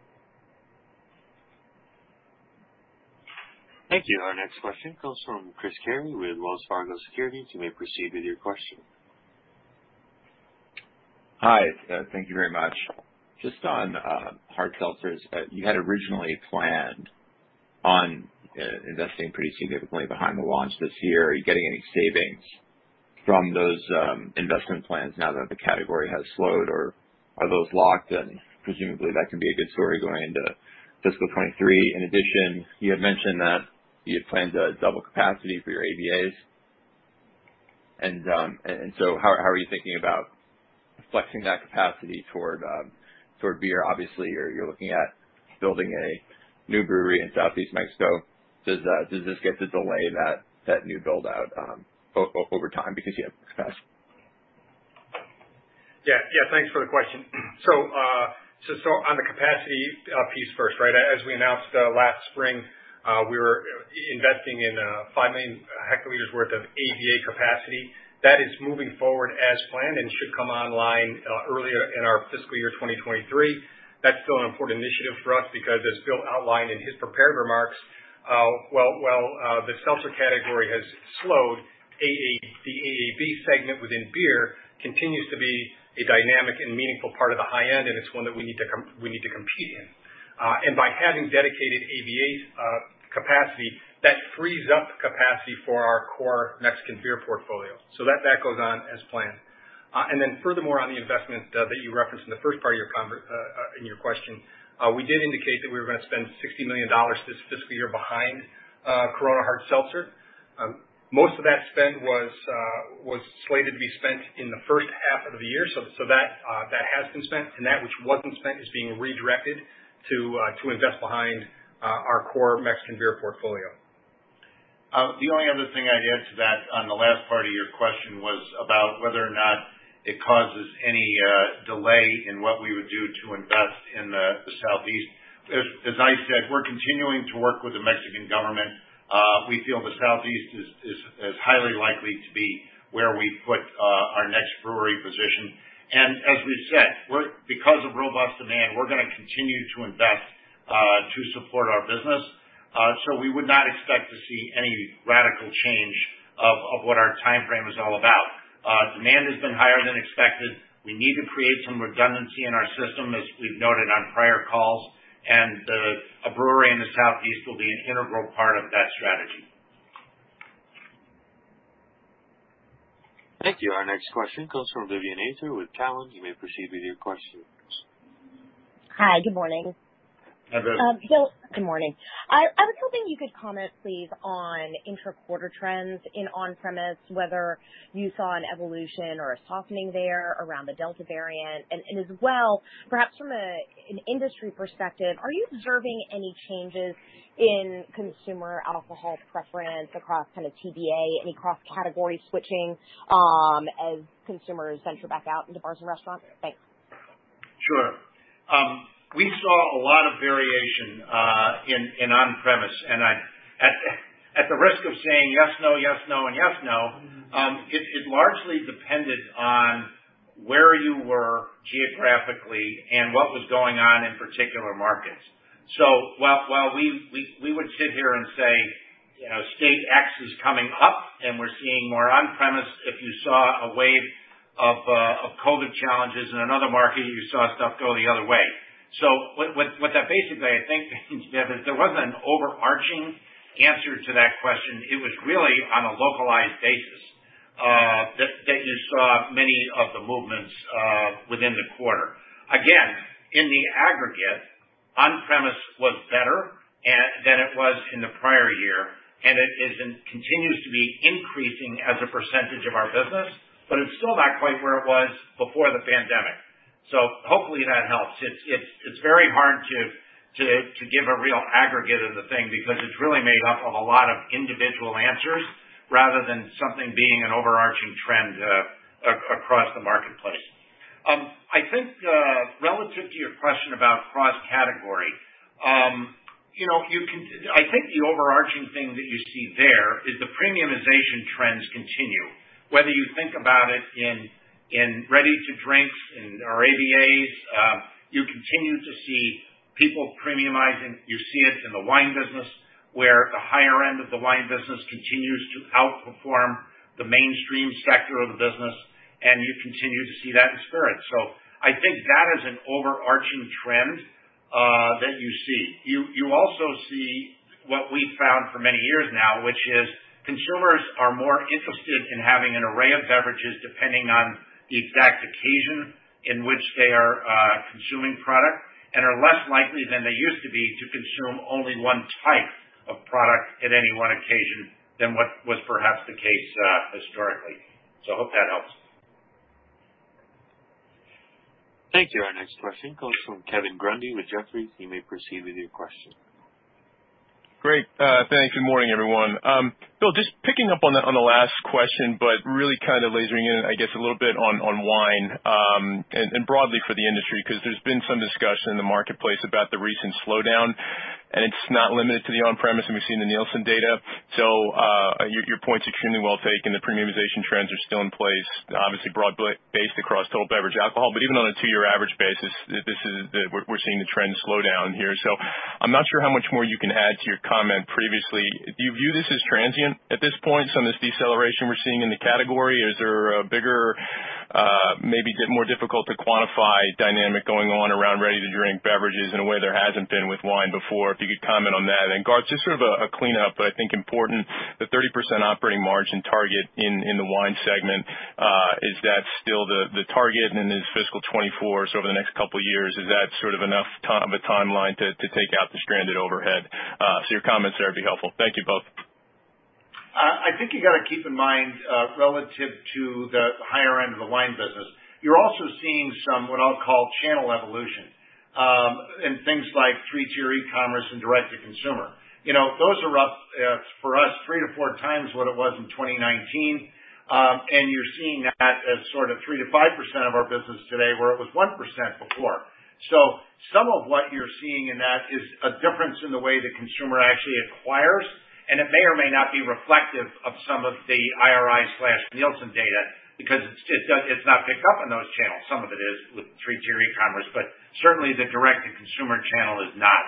Thank you. Our next question comes from Chris Carey with Wells Fargo Securities. You may proceed with your question. Hi. Thank you very much. Just on hard seltzers, you had originally planned on investing pretty significantly behind the launch this year. Are you getting any savings from those investment plans now that the category has slowed, or are those locked? Presumably, that can be a good story going into fiscal 2023. In addition, you had mentioned that you had planned to double capacity for your ABAs, and so how are you thinking about flexing that capacity toward beer? Obviously, you're looking at building a new brewery in Southeast Mexico. Does this get to delay that new build-out over time because you have excess? Yeah. Thanks for the question. On the capacity piece first, as we announced last spring, we were investing in 5 million hL worth of ABA capacity. That is moving forward as planned and should come online earlier in our fiscal year 2023. That's still an important initiative for us because, as Bill outlined in his prepared remarks, while the seltzer category has slowed, the ABA segment within beer continues to be a dynamic and meaningful part of the high end, and it's one that we need to compete in. By having dedicated ABA capacity, that frees up capacity for our core Mexican beer portfolio. That goes on as planned. Furthermore, on the investments that you referenced in the first part in your question, we did indicate that we were going to spend $60 million this fiscal year behind Corona Hard Seltzer. Most of that spend was slated to be spent in the first half of the year, so that has been spent, and that which wasn't spent is being redirected to invest behind our core Mexican beer portfolio. The only other thing I'd add to that on the last part of your question was about whether or not it causes any delay in what we would do to invest in the Southeast. I said, we're continuing to work with the Mexican government. We feel the Southeast is highly likely to be where we put our next brewery position. We said, because of robust demand, we're going to continue to invest to support our business. We would not expect to see any radical change of what our timeframe is all about. Demand has been higher than expected. We need to create some redundancy in our system, as we've noted on prior calls, and a brewery in the Southeast will be an integral part of that strategy. Thank you. Our next question comes from Vivien Azer with Cowen. You may proceed with your question. Hi. Good morning. Hi, Vivien. Bill, good morning. I was hoping you could comment, please, on intra-quarter trends in on-premise, whether you saw an evolution or a softening there around the Delta variant. As well, perhaps from an industry perspective, are you observing any changes in consumer alcohol preference across TBA, any cross-category switching, as consumers venture back out into bars and restaurants? Thanks. Sure. We saw a lot of variation in on-premise, and at the risk of saying yes, no, yes, no, and yes, no, it largely depended on where you were geographically and what was going on in particular markets. While we would sit here and say, state X is coming up and we're seeing more on-premise, if you saw a wave of COVID challenges in another market, you saw stuff go the other way. What that basically, I think, means, Vivien, there wasn't an overarching answer to that question. It was really on a localized basis, that you saw many of the movements within the quarter. Again, in the aggregate, on-premise was better than it was in the prior year, and it continues to be increasing as a percentage of our business, but it's still not quite where it was before the pandemic. Hopefully that helps. It's very hard to give a real aggregate of the thing because it's really made up of a lot of individual answers rather than something being an overarching trend across the marketplace. I think, relative to your question about cross-category, I think the overarching thing that you see there is the premiumization trends continue. Whether you think about it in ready-to-drinks or ABAs, you continue to see people premiumizing. You see it in the wine business, where the higher end of the wine business continues to outperform the mainstream sector of the business, and you continue to see that in spirits. I think that is an overarching trend that you see. You also see what we've found for many years now, which is consumers are more interested in having an array of beverages, depending on the exact occasion in which they are consuming product, and are less likely than they used to be to consume only one type of product at any one occasion than what was perhaps the case historically. Hope that helps. Thank you. Our next question comes from Kevin Grundy with Jefferies. You may proceed with your question. Great. Thanks. Good morning, everyone. Bill, just picking up on the last question, really kind of lasering in, I guess, a little bit on wine, and broadly for the industry, because there's been some discussion in the marketplace about the recent slowdown, and it's not limited to the on-premise, and we've seen the Nielsen data. Your point's extremely well taken. The premiumization trends are still in place, obviously broad-based across total beverage alcohol. Even on a two-year average basis, we're seeing the trend slow down here. I'm not sure how much more you can add to your comment previously. Do you view this as transient at this point, some of this deceleration we're seeing in the category? Is there a bigger, maybe more difficult to quantify dynamic going on around ready-to-drink beverages in a way there hasn't been with wine before? If you could comment on that. Garth, just sort of a cleanup, but I think important, the 30% operating margin target in the wine segment, is that still the target? In this FY 2024, so over the next couple of years, is that enough of a timeline to take out the stranded overhead? Your comments there would be helpful. Thank you both. I think you got to keep in mind, relative to the higher end of the wine business, you're also seeing some, what I'll call, channel evolution, in things like three-tier e-commerce and direct-to-consumer. Those are up, for us, 3-4 times what it was in 2019. You're seeing that as 3%-5% of our business today, where it was 1% before. Some of what you're seeing in that is a difference in the way the consumer actually acquires, and it may or may not be reflective of some of the IRI/Nielsen data, because it's not picked up in those channels. Some of it is with three-tier e-commerce, but certainly the direct-to-consumer channel is not.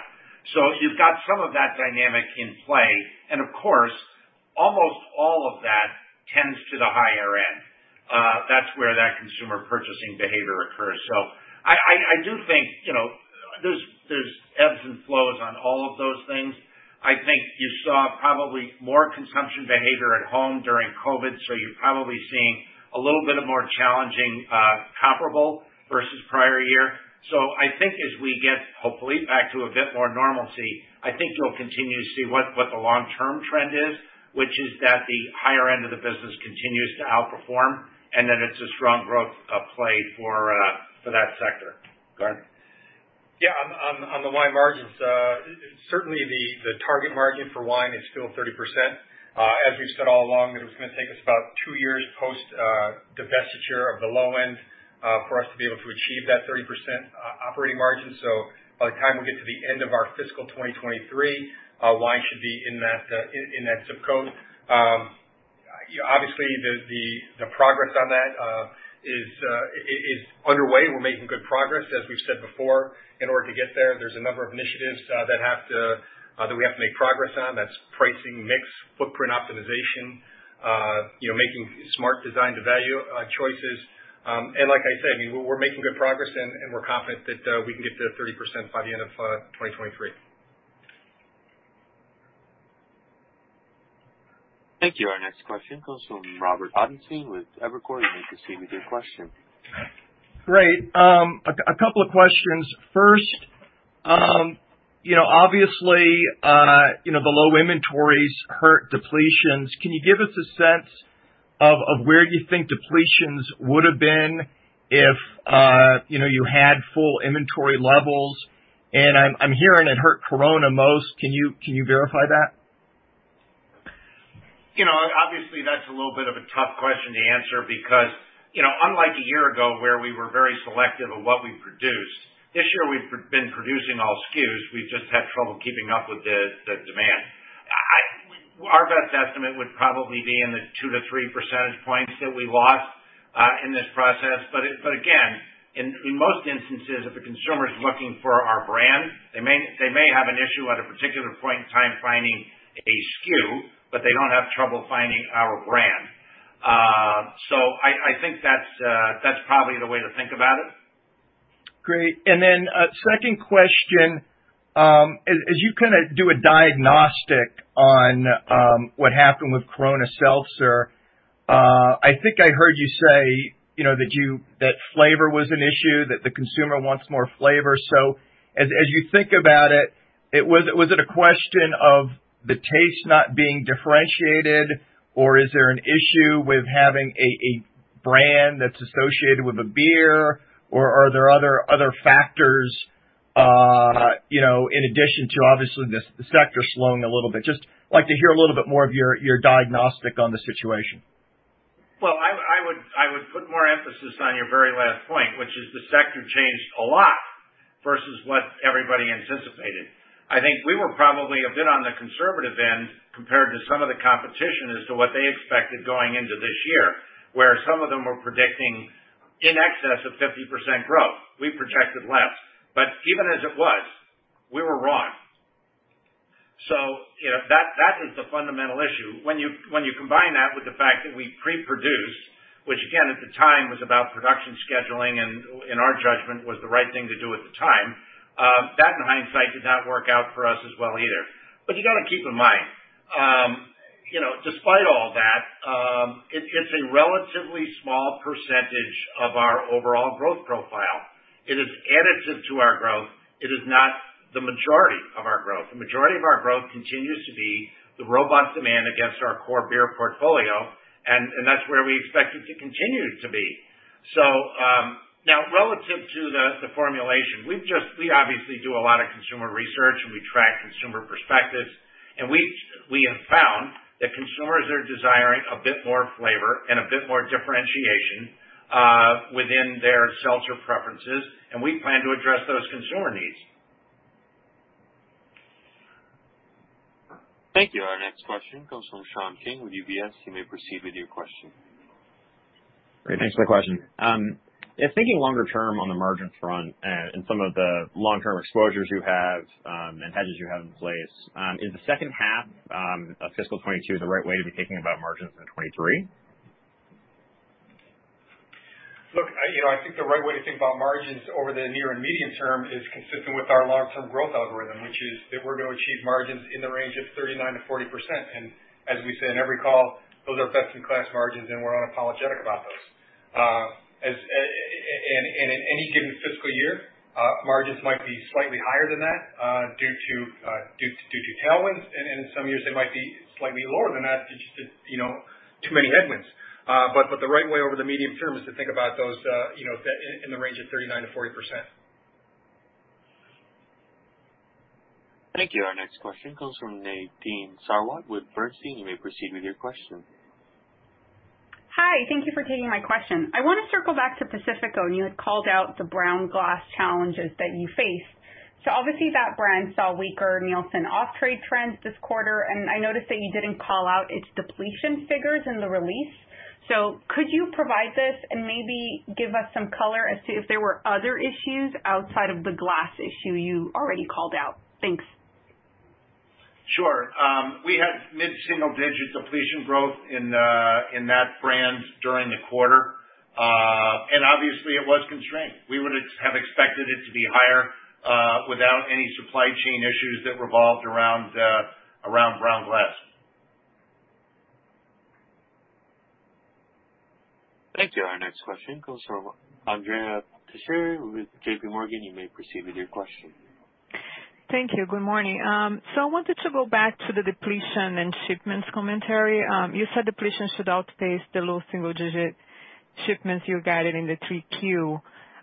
You've got some of that dynamic in play. Of course, almost all of that tends to the higher end. That's where that consumer purchasing behavior occurs. I do think there's ebbs and flows on all of those things. I think you saw probably more consumption behavior at home during COVID, so you're probably seeing a little bit of more challenging comparable versus prior year. I think as we get, hopefully, back to a bit more normalcy, I think you'll continue to see what the long-term trend is, which is that the higher end of the business continues to outperform, and that it's a strong growth play for that sector. Garth? Yeah. On the wine margins, certainly the target margin for wine is still 30%. As we've said all along, it was going to take us about two years post-divestiture of the low end for us to be able to achieve that 30% operating margin. By the time we get to the end of our fiscal year 2023, wine should be in that zip code. Obviously, the progress on that is underway. We're making good progress, as we've said before. In order to get there's a number of initiatives that we have to make progress on. That's pricing, mix, footprint optimization, making smart design-to-value choices. Like I said, we're making good progress and we're confident that we can get to the 30% by the end of 2023. Thank you. Our next question comes from Robert Ottenstein with Evercore. You may proceed with your question. Great. A couple of questions. First, obviously, the low inventories hurt depletions. Can you give us a sense of where you think depletions would've been if you had full inventory levels? I'm hearing it hurt Corona most. Can you verify that? That's a little bit of a tough question to answer because, unlike a year ago, where we were very selective of what we produced, this year we've been producing all SKUs. We've just had trouble keeping up with the demand. Our best estimate would probably be in the two to three percentage points that we lost in this process. Again, in most instances, if a consumer's looking for our brand, they may have an issue at a particular point in time finding a SKU, but they don't have trouble finding our brand. I think that's probably the way to think about it. Great. Second question. As you do a diagnostic on what happened with Corona Seltzer, I think I heard you say that flavor was an issue, that the consumer wants more flavor. As you think about it, was it a question of the taste not being differentiated, or is there an issue with having a brand that's associated with a beer, or are there other factors in addition to, obviously, the sector slowing a little bit? Just like to hear a little bit more of your diagnostic on the situation. Well, I would put more emphasis on your very last point, which is the sector changed a lot versus what everybody anticipated. I think we were probably a bit on the conservative end compared to some of the competition as to what they expected going into this year, where some of them were predicting in excess of 50% growth. We projected less. Even as it was, we were wrong. That is the fundamental issue. When you combine that with the fact that we pre-produce, which again, at the time was about production scheduling, and in our judgment, was the right thing to do at the time, that in hindsight did not work out for us as well either. You got to keep in mind, despite all that, it's a relatively small percentage of our overall growth profile. It is additive to our growth. It is not the majority of our growth. The majority of our growth continues to be the robust demand against our core beer portfolio. That's where we expect it to continue to be. Now, relative to the formulation, we obviously do a lot of consumer research. We track consumer perspectives. We have found that consumers are desiring a bit more flavor and a bit more differentiation within their seltzer preferences. We plan to address those consumer needs. Thank you. Our next question comes from Sean King with UBS. You may proceed with your question. Great. Thanks for the question. If thinking longer term on the margins front and some of the long-term exposures you have and hedges you have in place, is the second half of fiscal year 2022 the right way to be thinking about margins in 2023? Look, I think the right way to think about margins over the near and medium term is consistent with our long-term growth algorithm, which is that we're going to achieve margins in the range of 39%-40%. As we say in every call, those are best-in-class margins, and we're unapologetic about those. In any given fiscal year, margins might be slightly higher than that due to tailwinds, and in some years, they might be slightly lower than that due to too many headwinds. The right way over the medium term is to think about those in the range of 39%-40%. Thank you. Our next question comes from Nadine Sarwat with Bernstein. You may proceed with your question. Hi. Thank you for taking my question. I want to circle back to Pacifico, and you had called out the brown glass challenges that you faced. Obviously that brand saw weaker Nielsen off-trade trends this quarter, and I noticed that you didn't call out its depletion figures in the release. Could you provide this and maybe give us some color as to if there were other issues outside of the glass issue you already called out? Thanks. Sure. We had mid-single digit depletion growth in that brand during the quarter. Obviously it was constrained. We would have expected it to be higher without any supply chain issues that revolved around brown glass. Thank you. Our next question comes from Andrea Teixeira with JPMorgan. You may proceed with your question. Thank you. Good morning. I wanted to go back to the depletion and shipments commentary. You said depletion should outpace the low single-digit shipments you guided in the 3Q,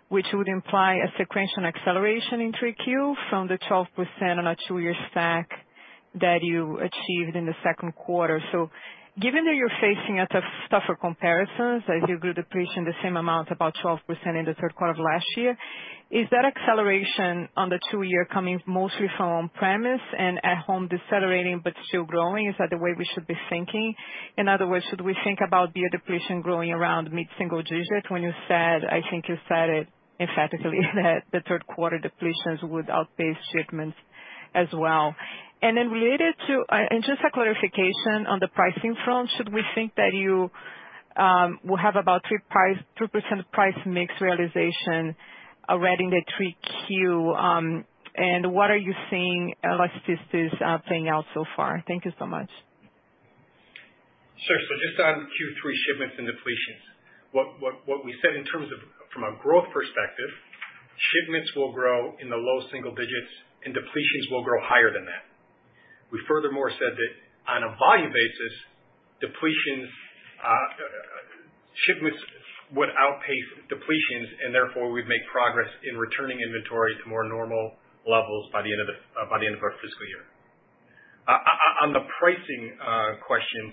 which would imply a sequential acceleration in 3Q from the 12% on a two-year stack that you achieved in the 2Q. Given that you're facing tougher comparisons, as you grew depletion the same amount, about 12% in the 3Q of last year, is that acceleration on the two-year coming mostly from on-premise and at home decelerating but still growing? Is that the way we should be thinking? In other words, should we think about beer depletion growing around mid-single digits when you said, I think you said it emphatically that the 3Q depletions would outpace shipments as well. Just a clarification on the pricing front, should we think that you will have about 3% price mix realization already in the 3Q? What are you seeing elasticity playing out so far? Thank you so much. Sure. Just on Q3 shipments and depletions. What we said in terms of from a growth perspective, shipments will grow in the low single digits and depletions will grow higher than that. We furthermore said that on a volume basis, shipments would outpace depletions, and therefore we'd make progress in returning inventory to more normal levels by the end of our fiscal year. On the pricing question,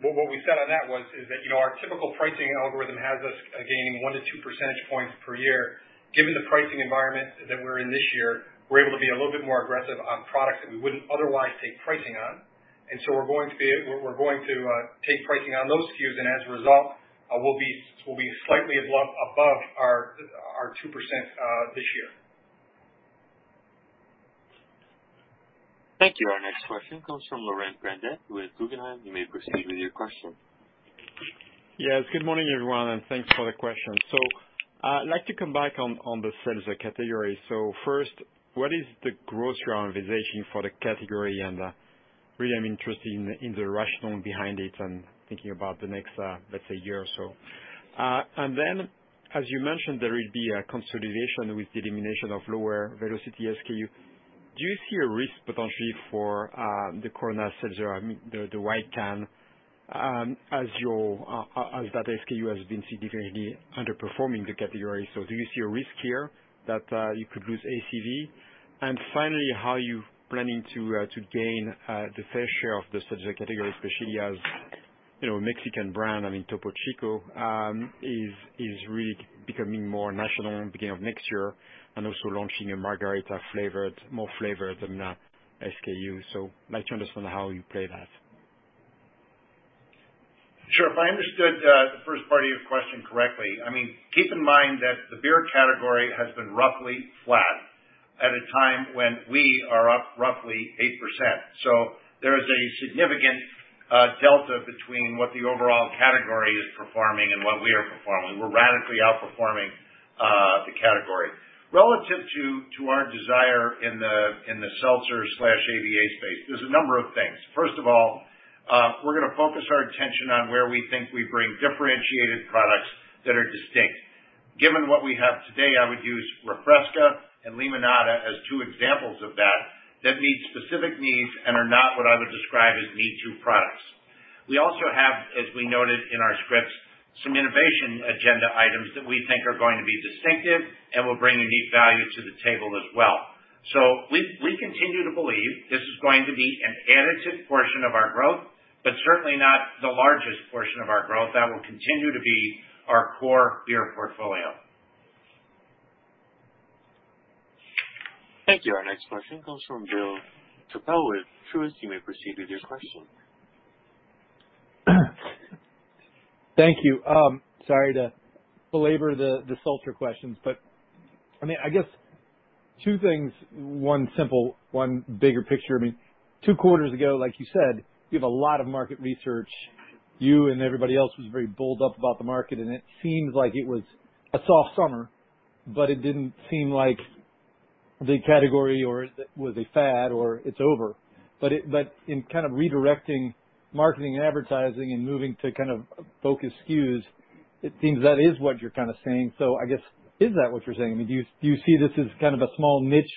what we said on that was is that our typical pricing algorithm has us gaining one to two percentage points per year. Given the pricing environment that we're in this year, we're able to be a little bit more aggressive on products that we wouldn't otherwise take pricing on. We're going to take pricing on those SKUs, and as a result, we'll be slightly above our 2% this year. Thank you. Our next question comes from Laurent Grandet with Guggenheim. You may proceed with your question. Yes. Good morning, everyone, and thanks for the question. I'd like to come back on the seltzer category. First, what is the gross realization for the category, and really I'm interested in the rationale behind it and thinking about the next, let's say, year or so. As you mentioned, there will be a consolidation with the elimination of lower velocity SKU. Do you see a risk potentially for the Corona seltzer, the white can, as that SKU has been significantly underperforming the category. Do you see a risk here that you could lose ACV? Finally, how you planning to gain the fair share of the seltzer category, especially as Mexican brand, I mean, Topo Chico, is really becoming more national beginning of next year and also launching a margarita-flavored, more flavored SKU. Like to understand how you play that. Sure. If I understood the first part of your question correctly, keep in mind that the beer category has been roughly flat at a time when we are up roughly 8%. There is a significant delta between what the overall category is performing and what we are performing. We're radically outperforming the category. Relative to our desire in the seltzer/ABA space, there's a number of things. First of all, we're going to focus our attention on where we think we bring differentiated products that are distinct. Given what we have today, I would use Refresca and Limonada as two examples of that meet specific needs and are not what I would describe as me-too products. We also have, as we noted in our scripts, some innovation agenda items that we think are going to be distinctive and will bring unique value to the table as well. We continue to believe this is going to be an additive portion of our growth, but certainly not the largest portion of our growth. That will continue to be our core beer portfolio. Thank you. Our next question comes from [AUDIO DISTORTION] with Truist. You may proceed with your question. Thank you. Sorry to belabor the seltzer questions, but I guess two things, one simple, one bigger picture. two quarters ago, like you said, you have a lot of market research. You and everybody else was very bulled up about the market, and it seems like it was a soft summer, but it didn't seem like the category or it was a fad or it's over. In kind of redirecting marketing and advertising and moving to kind of focus SKUs, it seems that is what you're kind of saying. I guess, is that what you're saying? Do you see this as kind of a small niche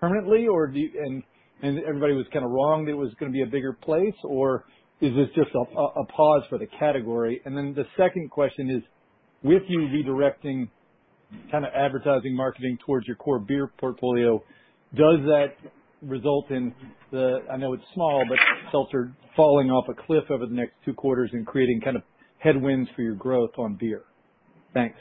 permanently and everybody was kind of wrong that it was going to be a bigger place, or is this just a pause for the category? The second question is, with you redirecting kind of advertising marketing towards your core beer portfolio, does that result in the, I know it's small, but seltzer falling off a cliff over the next two quarters and creating kind of headwinds for your growth on beer? Thanks.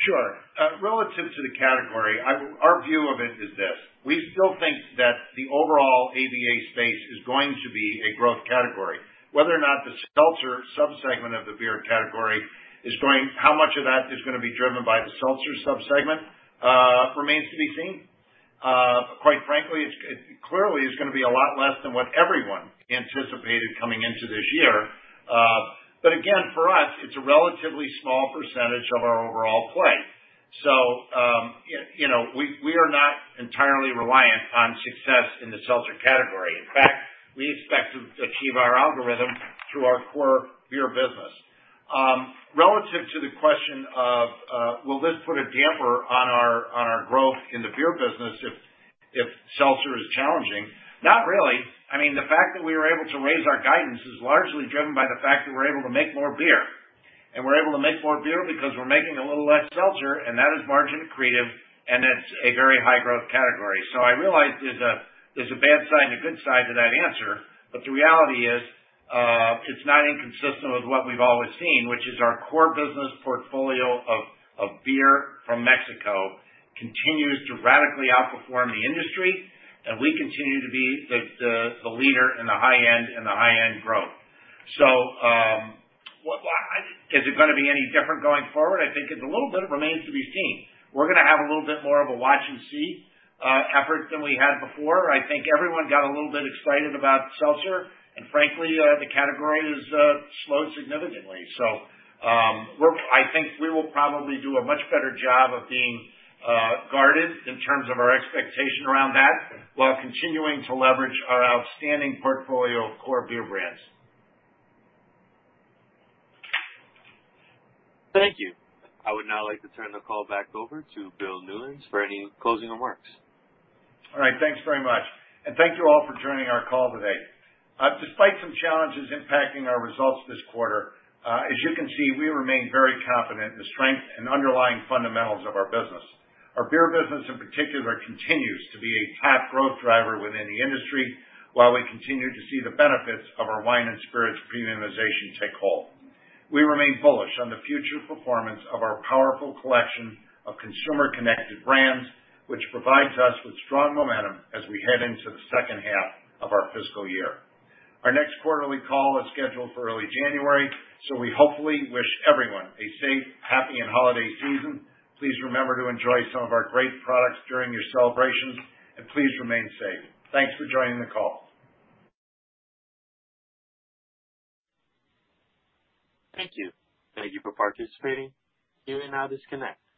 Sure. Relative to the category, our view of it is this: We still think that the overall ABA space is going to be a growth category. Whether or not how much of that is going to be driven by the seltzer sub-segment, remains to be seen. Quite frankly, it clearly is going to be a lot less than what everyone anticipated coming into this year. Again, for us, it's a relatively small percentage of our overall play. We are not entirely reliant on success in the seltzer category. In fact, we expect to achieve our algorithm through our core beer business. Relative to the question of will this put a damper on our growth in the beer business if seltzer is challenging, not really. The fact that we were able to raise our guidance is largely driven by the fact that we're able to make more beer. We're able to make more beer because we're making a little less seltzer, and that is margin accretive, and it's a very high growth category. I realize there's a bad side and a good side to that answer, but the reality is, it's not inconsistent with what we've always seen, which is our core business portfolio of beer from Mexico continues to radically outperform the industry, and we continue to be the leader in the high end and the high-end growth. Is it going to be any different going forward? I think it's a little bit remains to be seen. We're going to have a little bit more of a watch and see effort than we had before. I think everyone got a little bit excited about seltzer, and frankly, the category has slowed significantly. I think we will probably do a much better job of being guarded in terms of our expectation around that, while continuing to leverage our outstanding portfolio of core beer brands. Thank you. I would now like to turn the call back over to Bill Newlands for any closing remarks. All right. Thanks very much. Thank you all for joining our call today. Despite some challenges impacting our results this quarter, as you can see, we remain very confident in the strength and underlying fundamentals of our business. Our beer business in particular continues to be a top growth driver within the industry, while we continue to see the benefits of our wine and spirits premiumization take hold. We remain bullish on the future performance of our powerful collection of consumer-connected brands, which provides us with strong momentum as we head into the second half of our fiscal year. Our next quarterly call is scheduled for early January, we hopefully wish everyone a safe, happy, and holiday season. Please remember to enjoy some of our great products during your celebrations, and please remain safe. Thanks for joining the call. Thank you. Thank you for participating. You may now disconnect.